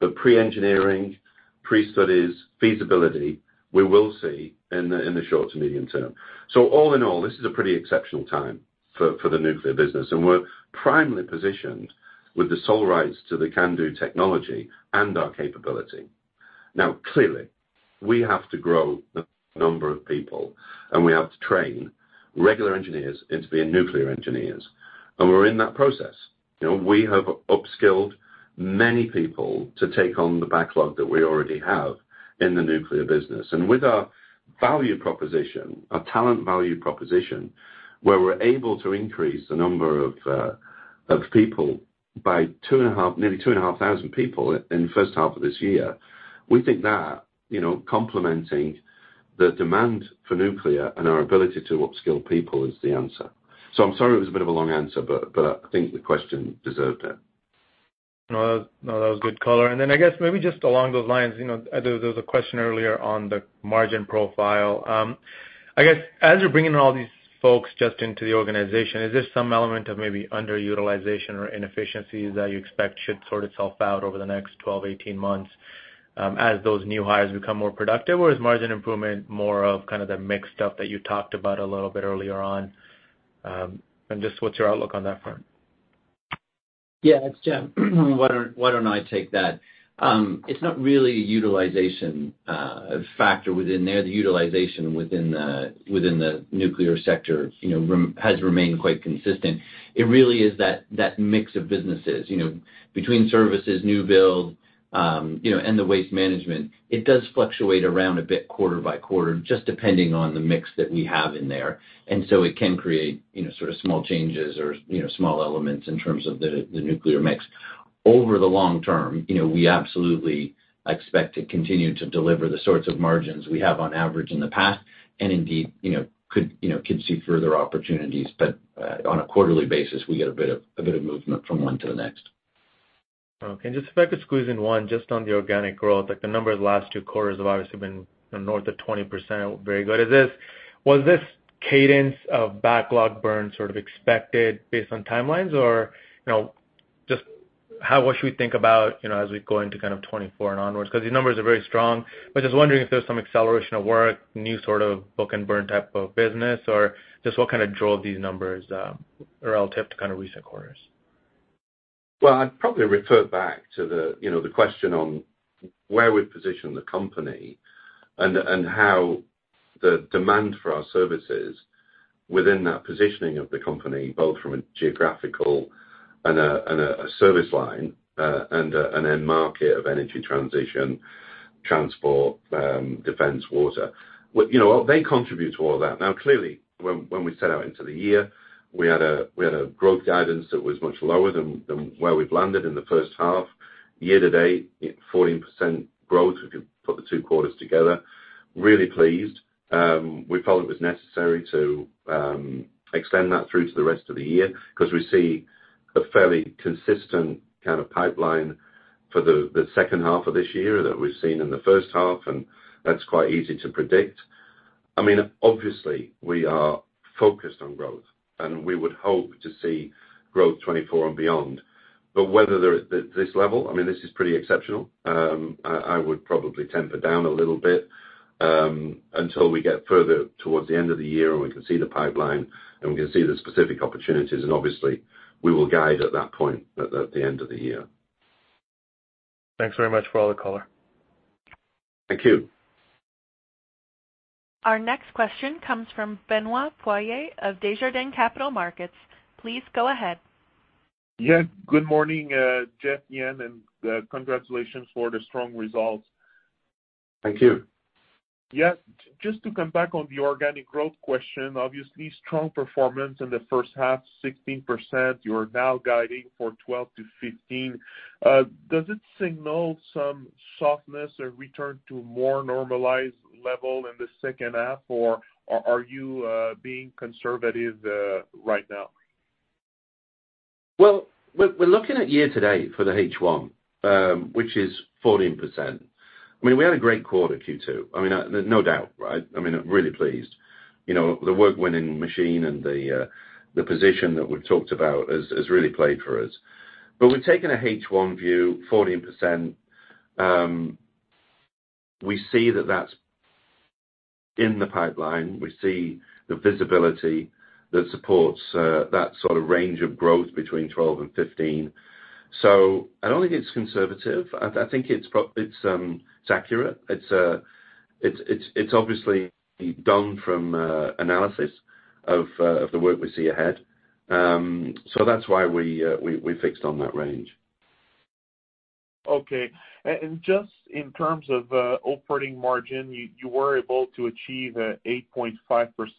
but pre-engineering, pre-studies, feasibility, we will see in the, in the short to medium term. All in all, this is a pretty exceptional time for, for the nuclear business, and we're primarily positioned with the sole rights to the CANDU technology and our capability. Now, clearly, we have to grow the number of people, and we have to train regular engineers into being nuclear engineers, and we're in that process. You know, we have upskilled many people to take on the backlog that we already have in the nuclear business. With our value proposition, our talent value proposition, where we're able to increase the number of people by nearly 2,500 people in the first half of this year, we think that, you know, complementing the demand for nuclear and our ability to upskill people is the answer. I'm sorry it was a bit of a long answer, but, but I think the question deserved it. No, no, that was good color. I guess maybe just along those lines, you know, there, there was a question earlier on the margin profile. I guess, as you're bringing all these folks just into the organization, is there some element of maybe underutilization or inefficiencies that you expect should sort itself out over the next 12, 18 months, as those new hires become more productive? Or is margin improvement more of kind of the mixed stuff that you talked about a little bit earlier on? Just what's your outlook on that front? Yeah, it's Jeff. Why don't, why don't I take that? It's not really a utilization factor within there. The utilization within the, within the nuclear sector, you know, has remained quite consistent. It really is that, that mix of businesses, you know, between services, new build, you know, and the waste management. It does fluctuate around a bit quarter-by-quarter, just depending on the mix that we have in there. And so it can create, you know, sort of small changes or, you know, small elements in terms of the, the nuclear mix. Over the long term, you know, we absolutely expect to continue to deliver the sorts of margins we have on average in the past, and indeed, you know, could, you know, could see further opportunities. On a quarterly basis, we get a bit of, a bit of movement from one to the next. Okay, just if I could squeeze in one just on the organic growth, like the number of the last two quarters have obviously been north of 20%, very good. Was this cadence of backlog burn sort of expected based on timelines? You know, just how much we think about, you know, as we go into kind of 2024 and onwards, because the numbers are very strong? Just wondering if there's some acceleration of work, new sort of book and burn type of business, or just what kind of drove these numbers, or relative to kind of recent quarters? Well, I'd probably refer back to the, you know, the question on where we position the company and, and how the demand for our services within that positioning of the company, both from a geographical and a, and a service line, and a, and a market of energy transition, transport, defense, water. You know, they contribute to all that. Clearly, when, when we set out into the year, we had a, we had a growth guidance that was much lower than, than where we've landed in the first half. Year to date, 14% growth, if you put the two quarters together, really pleased. We felt it was necessary to extend that through to the rest of the year, 'cause we see a fairly consistent kind of pipeline for the, the second half of this year that we've seen in the first half, and that's quite easy to predict. I mean, obviously, we focused on growth, and we would hope to see growth 2024 and beyond. Whether there is at this level, I mean, this is pretty exceptional. I, I would probably temper down a little bit until we get further towards the end of the year, and we can see the pipeline, and we can see the specific opportunities, and obviously, we will guide at that point, at, at the end of the year. Thanks very much for all the color. Thank you. Our next question comes from Benoit Poirier of Desjardins Capital Markets. Please go ahead. Yeah, good morning, Jeff, Ian, and congratulations for the strong results. Thank you. Yeah, just to come back on the organic growth question, obviously, strong performance in the first half, 16%. You are now guiding for 12%-15%. Does it signal some softness or return to a more normalized level in the second half, or are, are you, being conservative, right now? Well, we're, we're looking at year to date for the H1, which is 14%. I mean, we had a great quarter, Q2. I mean, no doubt, right? I mean, I'm really pleased. You know, the work winning machine and the position that we've talked about has, has really played for us. We've taken a H1 view, 14%. We see that that's in the pipeline. We see the visibility that supports that sort of range of growth between 12 and 15. I don't think it's conservative. I, I think it's pro- it's accurate. It's, it's, it's, it's obviously done from analysis of the work we see ahead. That's why we, we, we fixed on that range. Okay. Just in terms of operating margin, you, you were able to achieve 8.5%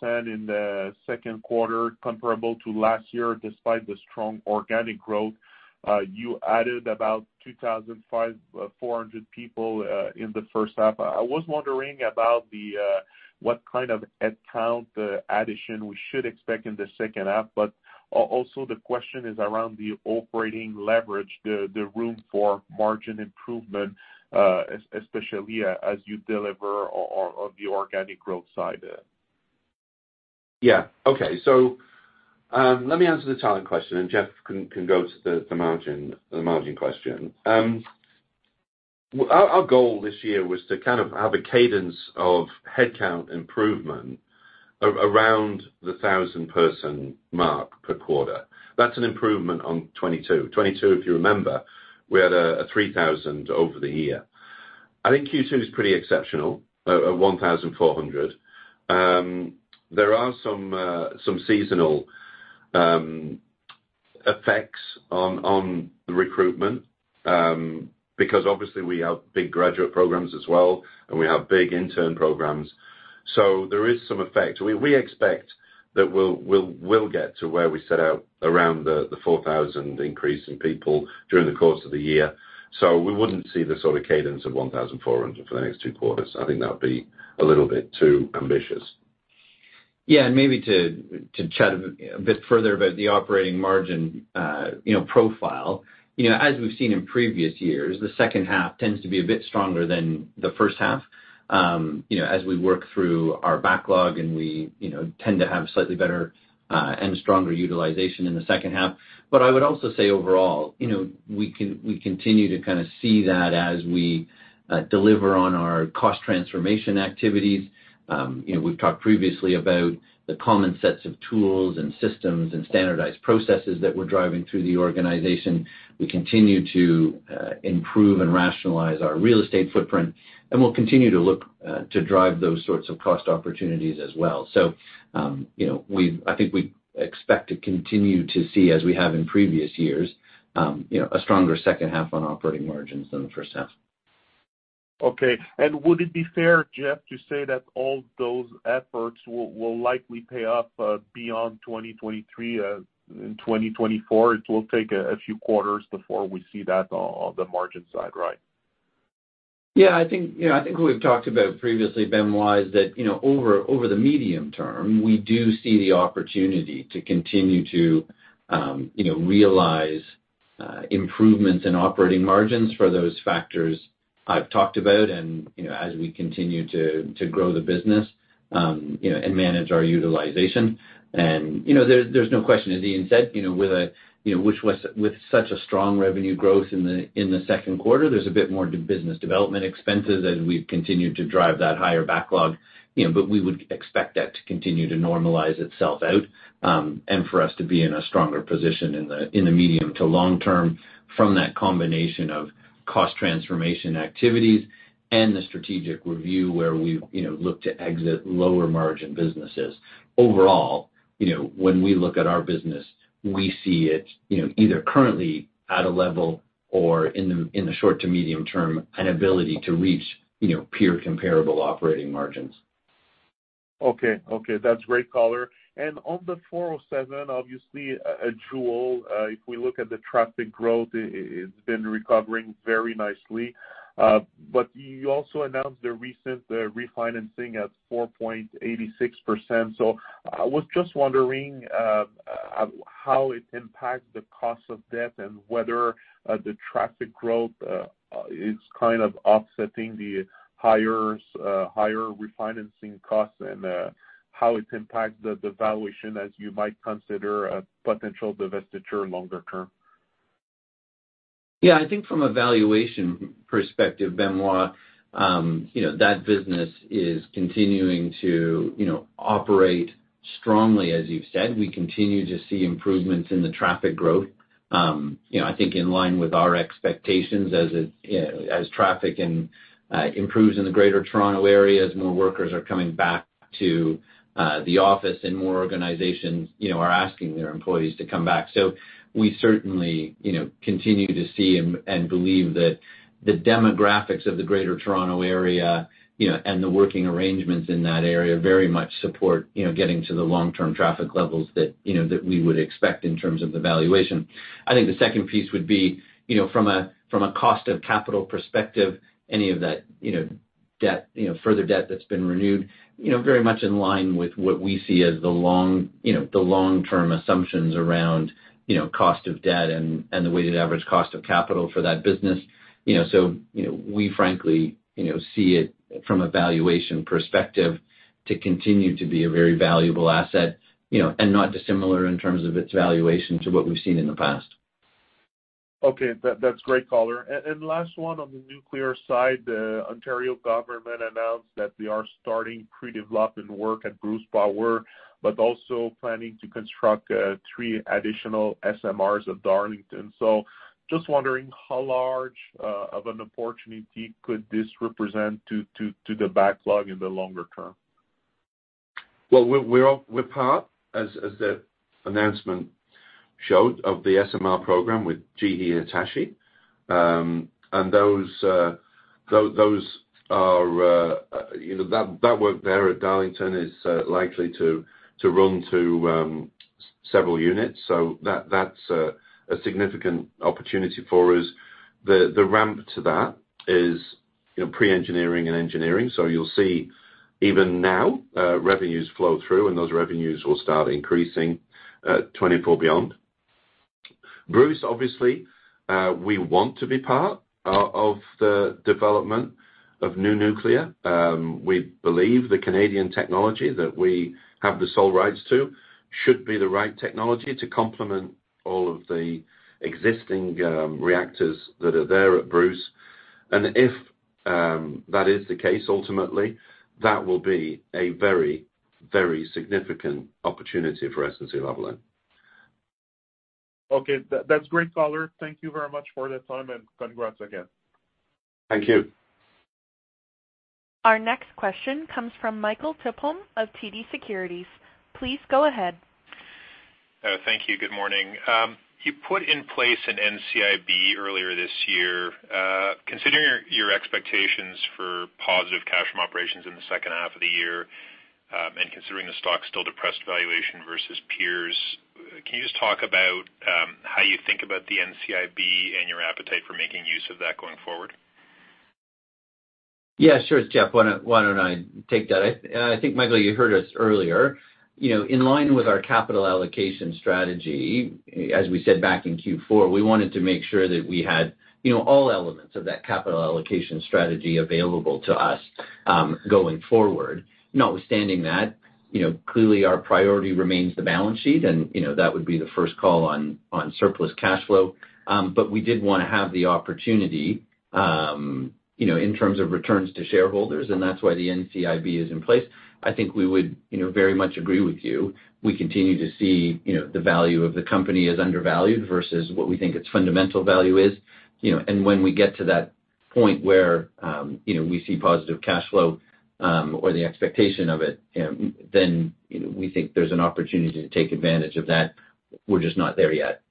in the second quarter, comparable to last year, despite the strong organic growth. You added about 2,400 people in the first half. I was wondering about what kind of headcount addition we should expect in the second half. Also the question is around the operating leverage, the room for margin improvement, especially as you deliver on the organic growth side. Yeah. Okay. Let me answer the talent question, and Jeff can go to the margin, the margin question. Our goal this year was to kind of have a cadence of headcount improvement around the 1,000-person mark per quarter. That's an improvement on 2022. 2022, if you remember, we had a 3,000 over the year. I think Q2 is pretty exceptional, at 1,400. There are some seasonal effects on the recruitment, because obviously we have big graduate programs as well, and we have big intern programs, so there is some effect. We, we expect that we'll, we'll, we'll get to where we set out around the, the 4,000 increase in people during the course of the year, so we wouldn't see the sort of cadence of 1,400 for the next 2 quarters. I think that would be a little bit too ambitious. Yeah, maybe to, to chat a bit further about the operating margin, you know, profile. You know, as we've seen in previous years, the second half tends to be a bit stronger than the first half, you know, as we work through our backlog, we, you know, tend to have slightly better and stronger utilization in the second half. I would also say overall, you know, we continue to kind of see that as we deliver on our cost transformation activities. You know, we've talked previously about the common sets of tools and systems and standardized processes that we're driving through the organization. We continue to improve and rationalize our real estate footprint, we'll continue to look to drive those sorts of cost opportunities as well. You know, I think we expect to continue to see, as we have in previous years, you know, a stronger second half on operating margins than the first half. Okay. Would it be fair, Jeff, to say that all those efforts will, will likely pay off beyond 2023, in 2024? It will take a, a few quarters before we see that on, on the margin side, right? Yeah, I think, you know, I think what we've talked about previously, Benoit, is that, you know, over, over the medium term, we do see the opportunity to continue to, you know, realize improvements in operating margins for those factors I've talked about and, you know, as we continue to, to grow the business, you know, and manage our utilization. You know, there's no question, as Ian said, you know, with a, you know, which was with such a strong revenue growth in the second quarter, there's a bit more business development expenses as we've continued to drive that higher backlog, you know. We would expect that to continue to normalize itself out, and for us to be in a stronger position in the, in the medium to long term from that combination of cost transformation activities and the strategic review, where we've, you know, looked to exit lower margin businesses. Overall, you know, when we look at our business, we see it, you know, either currently at a level or in the, in the short to medium term, an ability to reach, you know, peer comparable operating margins. Okay, okay. That's great color. On the 407, obviously, a jewel, if we look at the traffic growth, it's been recovering very nicely. You also announced the recent refinancing at 4.86%. I was just wondering how it impacts the cost of debt and whether the traffic growth is kind of offsetting the higher refinancing costs and how it impacts the valuation as you might consider a potential divestiture longer term?... Yeah, I think from a valuation perspective, Benoit, you know, that business is continuing to, you know, operate strongly as you've said. We continue to see improvements in the traffic growth. You know, I think in line with our expectations as it, as traffic and, improves in the Greater Toronto area, as more workers are coming back to, the office and more organizations, you know, are asking their employees to come back. So we certainly, you know, continue to see and, and believe that the demographics of the Greater Toronto area, you know, and the working arrangements in that area very much support, you know, getting to the long-term traffic levels that, you know, that we would expect in terms of the valuation. I think the second piece would be, you know, from a, from a cost of capital perspective, any of that, you know, debt, you know, further debt that's been renewed, you know, very much in line with what we see as the long, you know, the long-term assumptions around, you know, cost of debt and, and the weighted average cost of capital for that business. You know, so, you know, we frankly, you know, see it from a valuation perspective to continue to be a very valuable asset, you know, and not dissimilar in terms of its valuation to what we've seen in the past. Okay. That, that's great, Color. Last one on the nuclear side, the Ontario government announced that they are starting pre-development work at Bruce Power, also planning to construct 3 additional SMRs at Darlington. Just wondering how large of an opportunity could this represent to the backlog in the longer term? Well, we're, we're part, as, as the announcement showed, of the SMR program with GE and Hitachi. Those are, you know, that, that work there at Darlington is likely to run to several units. That, that's a significant opportunity for us. The ramp to that is, you know, pre-engineering and engineering. You'll see even now, revenues flow through, and those revenues will start increasing, 2024 beyond. Bruce, obviously, we want to be part of the development of new nuclear. We believe the Canadian technology that we have the sole rights to, should be the right technology to complement all of the existing reactors that are there at Bruce. If that is the case, ultimately, that will be a very, very significant opportunity for SNC-Lavalin. Okay. That's great, Color. Thank you very much for the time. Congrats again. Thank you. Our next question comes from Michael Tupholme of TD Securities. Please go ahead. Thank you. Good morning. You put in place an NCIB earlier this year. Considering your, your expectations for positive cash from operations in the second half of the year, considering the stock's still depressed valuation versus peers, can you just talk about how you think about the NCIB and your appetite for making use of that going forward? Yeah, sure, Jeff. Why don't, why don't I take that? I think, Michael, you heard us earlier, you know, in line with our capital allocation strategy, as we said back in Q4, we wanted to make sure that we had, you know, all elements of that capital allocation strategy available to us, going forward. Notwithstanding that, you know, clearly our priority remains the balance sheet, and, you know, that would be the first call on, on surplus cash flow. We did wanna have the opportunity, you know, in terms of returns to shareholders, and that's why the NCIB is in place. I think we would, you know, very much agree with you. We continue to see, you know, the value of the company as undervalued versus what we think its fundamental value is, you know. When we get to that point where, you know, we see positive cash flow, or the expectation of it, then, you know, we think there's an opportunity to take advantage of that. We're just not there yet.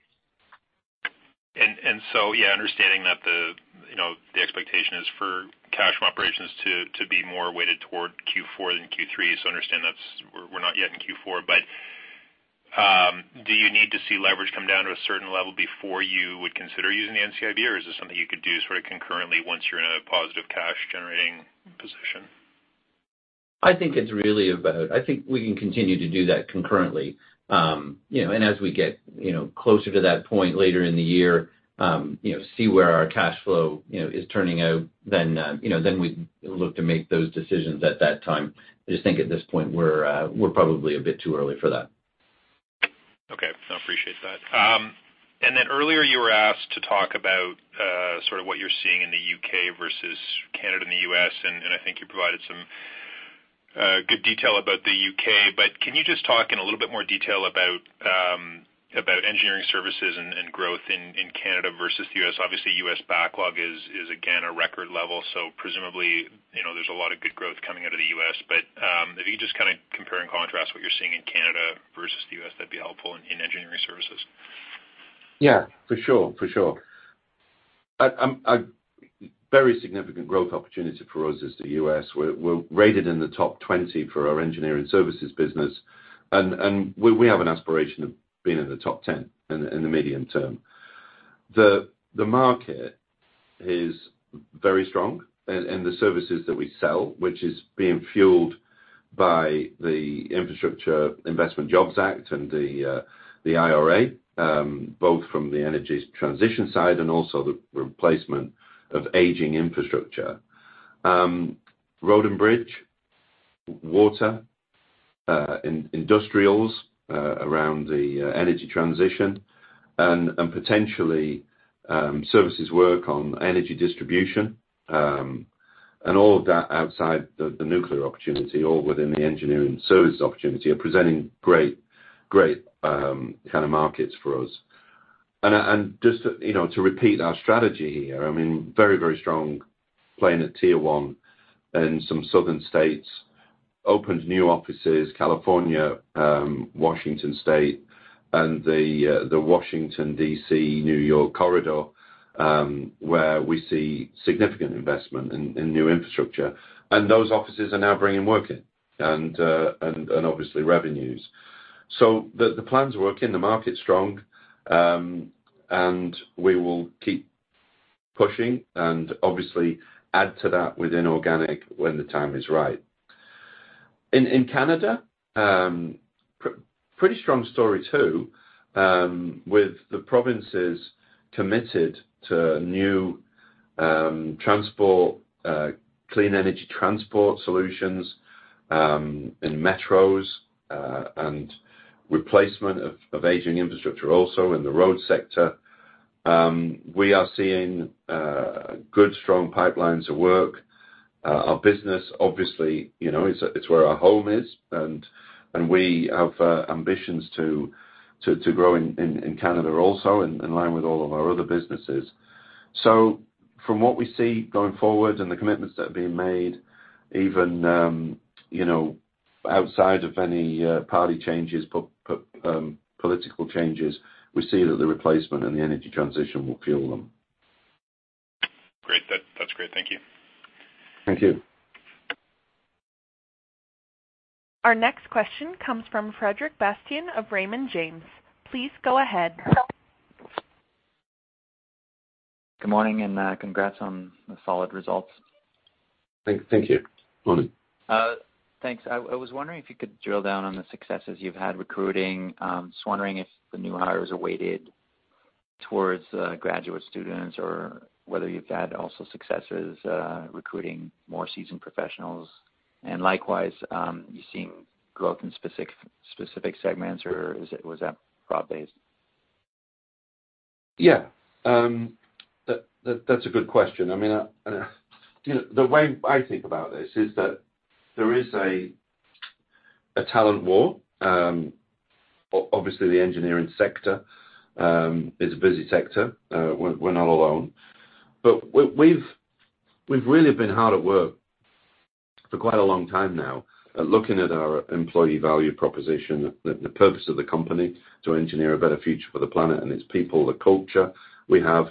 Yeah, understanding that the, you know, the expectation is for cash from operations to, to be more weighted toward Q4 than Q3, so understand that's we're not yet in Q4. Do you need to see leverage come down to a certain level before you would consider using the NCIB, or is this something you could do sort of concurrently once you're in a positive cash generating position? I think it's really about. I think we can continue to do that concurrently. You know, as we get, you know, closer to that point later in the year, you know, see where our cash flow, you know, is turning out, then, you know, then we'd look to make those decisions at that time. I just think at this point, we're probably a bit too early for that. Okay, I appreciate that. Earlier, you were asked to talk about, sort of what you're seeing in the U.K. versus Canada and the U.S., and, and I think you provided some good detail about the U.K. Can you just talk in a little bit more detail about about engineering services and, and growth in, in Canada versus the U.S.? Obviously, US backlog is, is again, a record level, so presumably, you know, there's a lot of good growth coming out of the U.S. If you just kind of compare and contrast what you're seeing in Canada versus the U.S., that'd be helpful in, in engineering services. Yeah, for sure, for sure. I, Very significant growth opportunity for us is the U.S. We're, we're rated in the top 20 for our engineering services business, and, and we, we have an aspiration of being in the top 10 in the, in the medium term. The, the market is very strong and, and the services that we sell, which is being fueled by the Infrastructure Investment and Jobs Act and the IRA, both from the energy transition side and also the replacement of aging infrastructure. Road and bridge, in industrials, around the energy transition and, and potentially, services work on energy distribution, and all of that outside the, the nuclear opportunity or within the engineering services opportunity are presenting great, great, kind of markets for us. Just to, you know, to repeat our strategy here, I mean, very, very strong playing at tier one in some southern states. Opened new offices, California, Washington State, and the Washington, D.C., New York corridor, where we see significant investment in new infrastructure. Those offices are now bringing work in and obviously revenues. The plan's working, the market's strong, and we will keep pushing and obviously add to that within organic when the time is right. In Canada, pretty strong story, too, with the provinces committed to new transport, clean energy transport solutions, in metros, and replacement of aging infrastructure, also in the road sector. We are seeing good, strong pipelines of work. Our business, obviously, you know, it's, it's where our home is, and, and we have ambitions to, to, to grow in, in, in Canada also, in, in line with all of our other businesses. From what we see going forward and the commitments that are being made, even, you know, outside of any party changes, political changes, we see that the replacement and the energy transition will fuel them. Great. That, that's great. Thank you. Thank you. Our next question comes from Frederic Bastien of Raymond James. Please go ahead. Good morning, and congrats on the solid results. Thank, thank you. Morning. Thanks. I was wondering if you could drill down on the successes you've had recruiting. Just wondering if the new hires are weighted towards graduate students or whether you've had also successes recruiting more seasoned professionals. Likewise, you seeing growth in specific segments, or was that broad-based? Yeah. That, that's a good question. I mean, I, you know, the way I think about this is that there is a, a talent war. Obviously, the engineering sector, is a busy sector. We're, we're not alone. We've, we've really been hard at work for quite a long time now at looking at our employee value proposition, the, the purpose of the company, to engineer a better future for the planet and its people, the culture. We have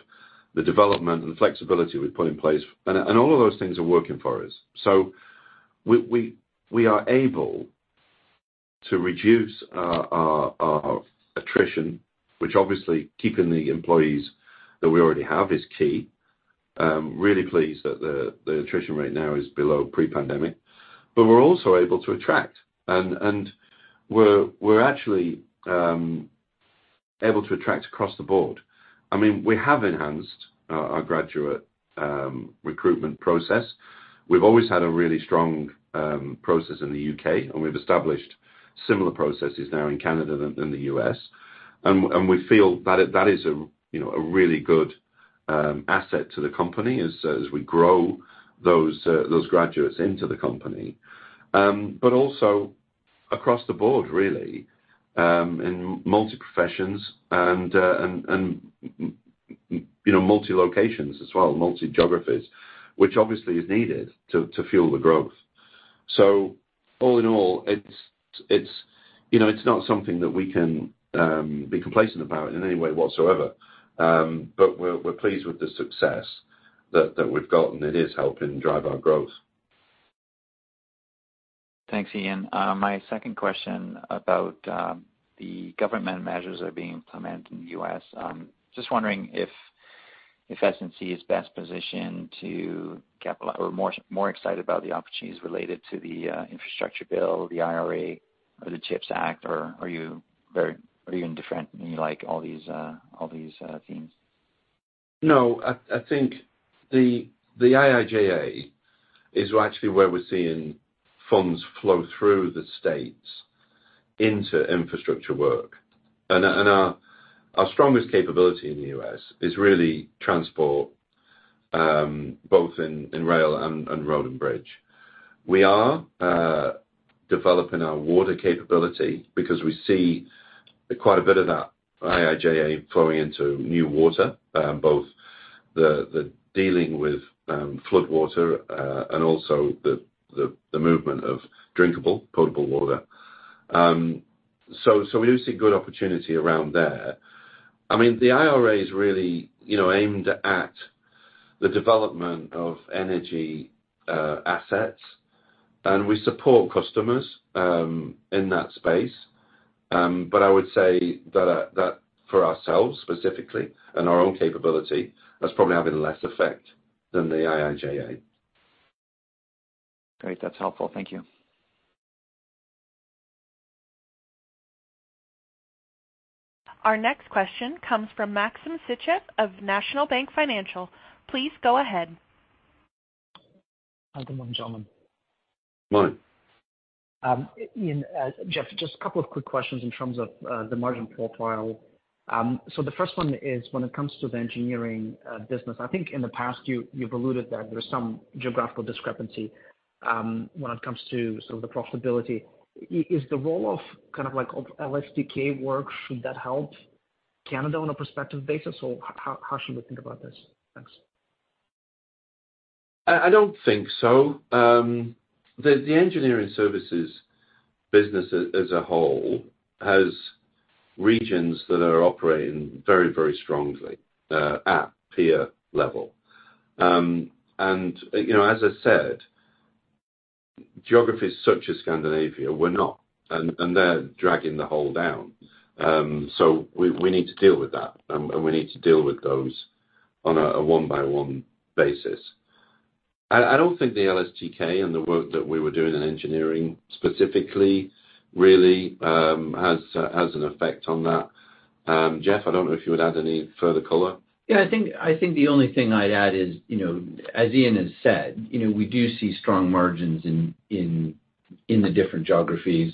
the development and the flexibility we've put in place, and, and all of those things are working for us. We, we, we are able to reduce our, our, our attrition, which obviously keeping the employees that we already have is key. Really pleased that the, the attrition rate now is below pre-pandemic, but we're also able to attract, and, and we're, we're actually, able to attract across the board. I mean, we have enhanced our, our graduate, recruitment process. We've always had a really strong, process in the U.K., and we've established similar processes now in Canada and in the U.S. we feel that is, that is a, you know, a really good, asset to the company as, as we grow those, those graduates into the company. also across the board really, in multi professions and, and, you know, multi locations as well, multi geographies, which obviously is needed to, to fuel the growth. All in all, it's, it's, you know, it's not something that we can be complacent about in any way whatsoever, but we're, we're pleased with the success that, that we've gotten. It is helping drive our growth. Thanks, Ian. My second question about the government measures that are being implemented in the U.S. Just wondering if, if SNC is best positioned or more, more excited about the opportunities related to the infrastructure bill, the IRA or the CHIPS Act, or are you indifferent, and you like all these, all these themes? No, I, I think the, the IIJA is actually where we're seeing funds flow through the states into infrastructure work. Our, and our, our strongest capability in the U.S. is really transport, both in, in rail and, and road and bridge. We are developing our water capability because we see quite a bit of that IIJA flowing into new water, both the, the dealing with, flood water, and also the, the, the movement of drinkable, potable water. We do see good opportunity around there. I mean, the IRA is really, you know, aimed at the development of energy, assets, and we support customers, in that space. I would say that, that for ourselves specifically and our own capability, that's probably having less effect than the IIJA. Great. That's helpful. Thank you. Our next question comes from Maxim Sytchev of National Bank Financial. Please go ahead. Good morning, gentlemen. Morning. Ian, Jeff, just a couple of quick questions in terms of the margin profile. The first one is when it comes to the engineering business, I think in the past you, you've alluded that there is some geographical discrepancy, when it comes to some of the profitability. Is the role of kind of like LSTK work, should that help Canada on a prospective basis, or how should we think about this? Thanks. I, I don't think so. The engineering services business as a whole has regions that are operating very, very strongly at peer level. You know, as I said, geographies such as Scandinavia were not, and they're dragging the whole down. We, we need to deal with that, and we need to deal with those on a one-by-one basis. I, I don't think the LSTK and the work that we were doing in engineering specifically, really has an effect on that. Jeff, I don't know if you would add any further color. Yeah, I think, I think the only thing I'd add is, you know, as Ian has said, you know, we do see strong margins in, in, in the different geographies,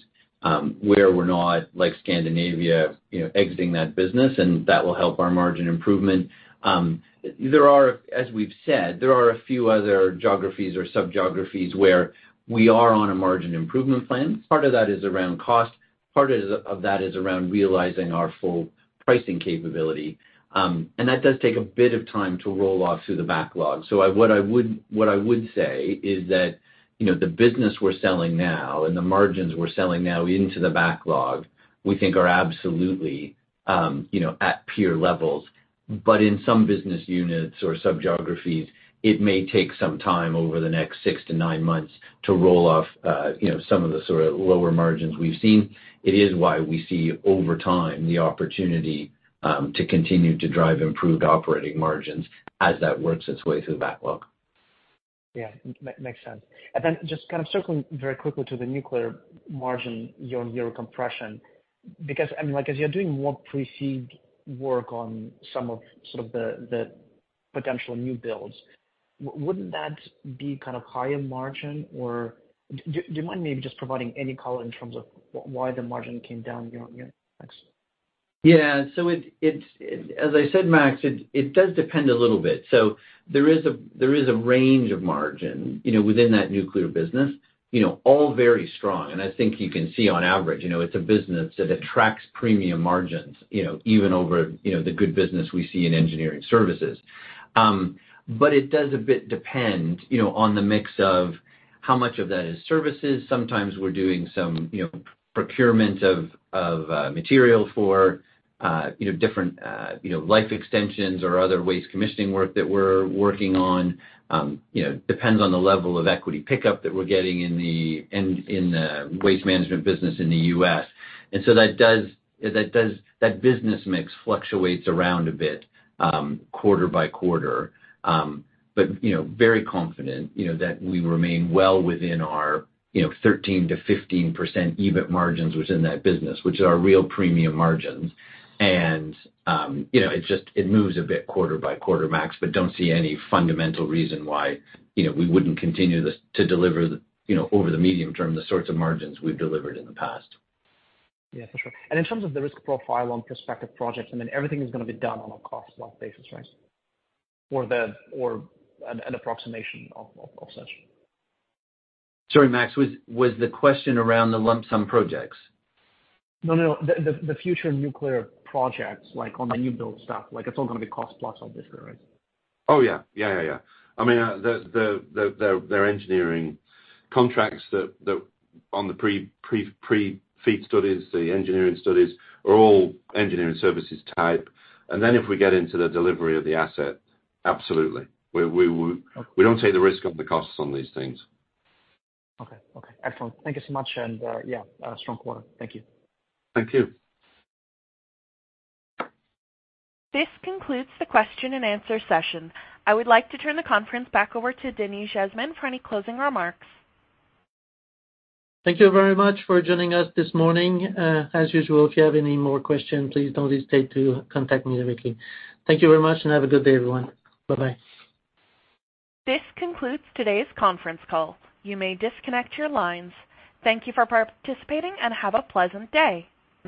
where we're not, like Scandinavia, you know, exiting that business, and that will help our margin improvement. There are as we've said, there are a few other geographies or sub-geographies where we are on a margin improvement plan. Part of that is around cost. Part of that is around realizing our full pricing capability. And that does take a bit of time to roll off through the backlog. So what I would say is that, you know, the business we're selling now and the margins we're selling now into the backlog, we think are absolutely, you know, at peer levels. In some business units or sub-geographies, it may take some time over the next six to nine months to roll off, you know, some of the sort of lower margins we've seen. It is why we see over time, the opportunity to continue to drive improved operating margins as that works its way through the backlog. Yeah, makes sense. Then just kind of circling very quickly to the nuclear margin, year-on-year compression, because, I mean, like, as you're doing more pre-FEED work on some of, sort of the, the potential new builds, wouldn't that be kind of higher margin? Or do, do you mind maybe just providing any color in terms of why the margin came down year-on-year? Thanks. Yeah. It, it's, as I said, Max, it, it does depend a little bit. There is a, there is a range of margin, you know, within that nuclear business. You know, all very strong, and I think you can see on average, you know, it's a business that attracts premium margins, you know, even over, you know, the good business we see in engineering services. But it does a bit depend, you know, on the mix of how much of that is services. Sometimes we're doing some, you know, procurement of, of, material for, you know, different, you know, life extensions or other waste commissioning work that we're working on. You know, depends on the level of equity pickup that we're getting in the, in, in the waste management business in the U.S. That business mix fluctuates around a bit, quarter-by-quarter. You know, very confident, you know, that we remain well within our, you know, 13%-15% EBIT margins within that business, which are real premium margins. You know, it just, it moves a bit quarter-by-quarter, Max, but don't see any fundamental reason why, you know, we wouldn't continue this, to deliver the, you know, over the medium term, the sorts of margins we've delivered in the past. Yeah, for sure. In terms of the risk profile on prospective projects, I mean, everything is going to be done on a cost-plus basis, right? An approximation of such. Sorry, Max. Was the question around the lump sum projects? No, no, the, the, the future nuclear projects, like on the new build stuff, like it's all gonna be cost-plus on this, right? Oh, yeah. Yeah, yeah, yeah. I mean, the their engineering contracts that on the pre-FEED studies, the engineering studies, are all engineering services type. Then if we get into the delivery of the asset, absolutely, we would. Okay. We don't take the risk on the costs on these things. Okay. Okay, excellent. Thank you so much, and, yeah, strong quarter. Thank you. Thank you. This concludes the question and answer session. I would like to turn the conference back over to Denis Jasmin for any closing remarks. Thank you very much for joining us this morning. As usual, if you have any more questions, please don't hesitate to contact me directly. Thank you very much and have a good day, everyone. Bye-bye. This concludes today's conference call. You may disconnect your lines. Thank you for participating and have a pleasant day.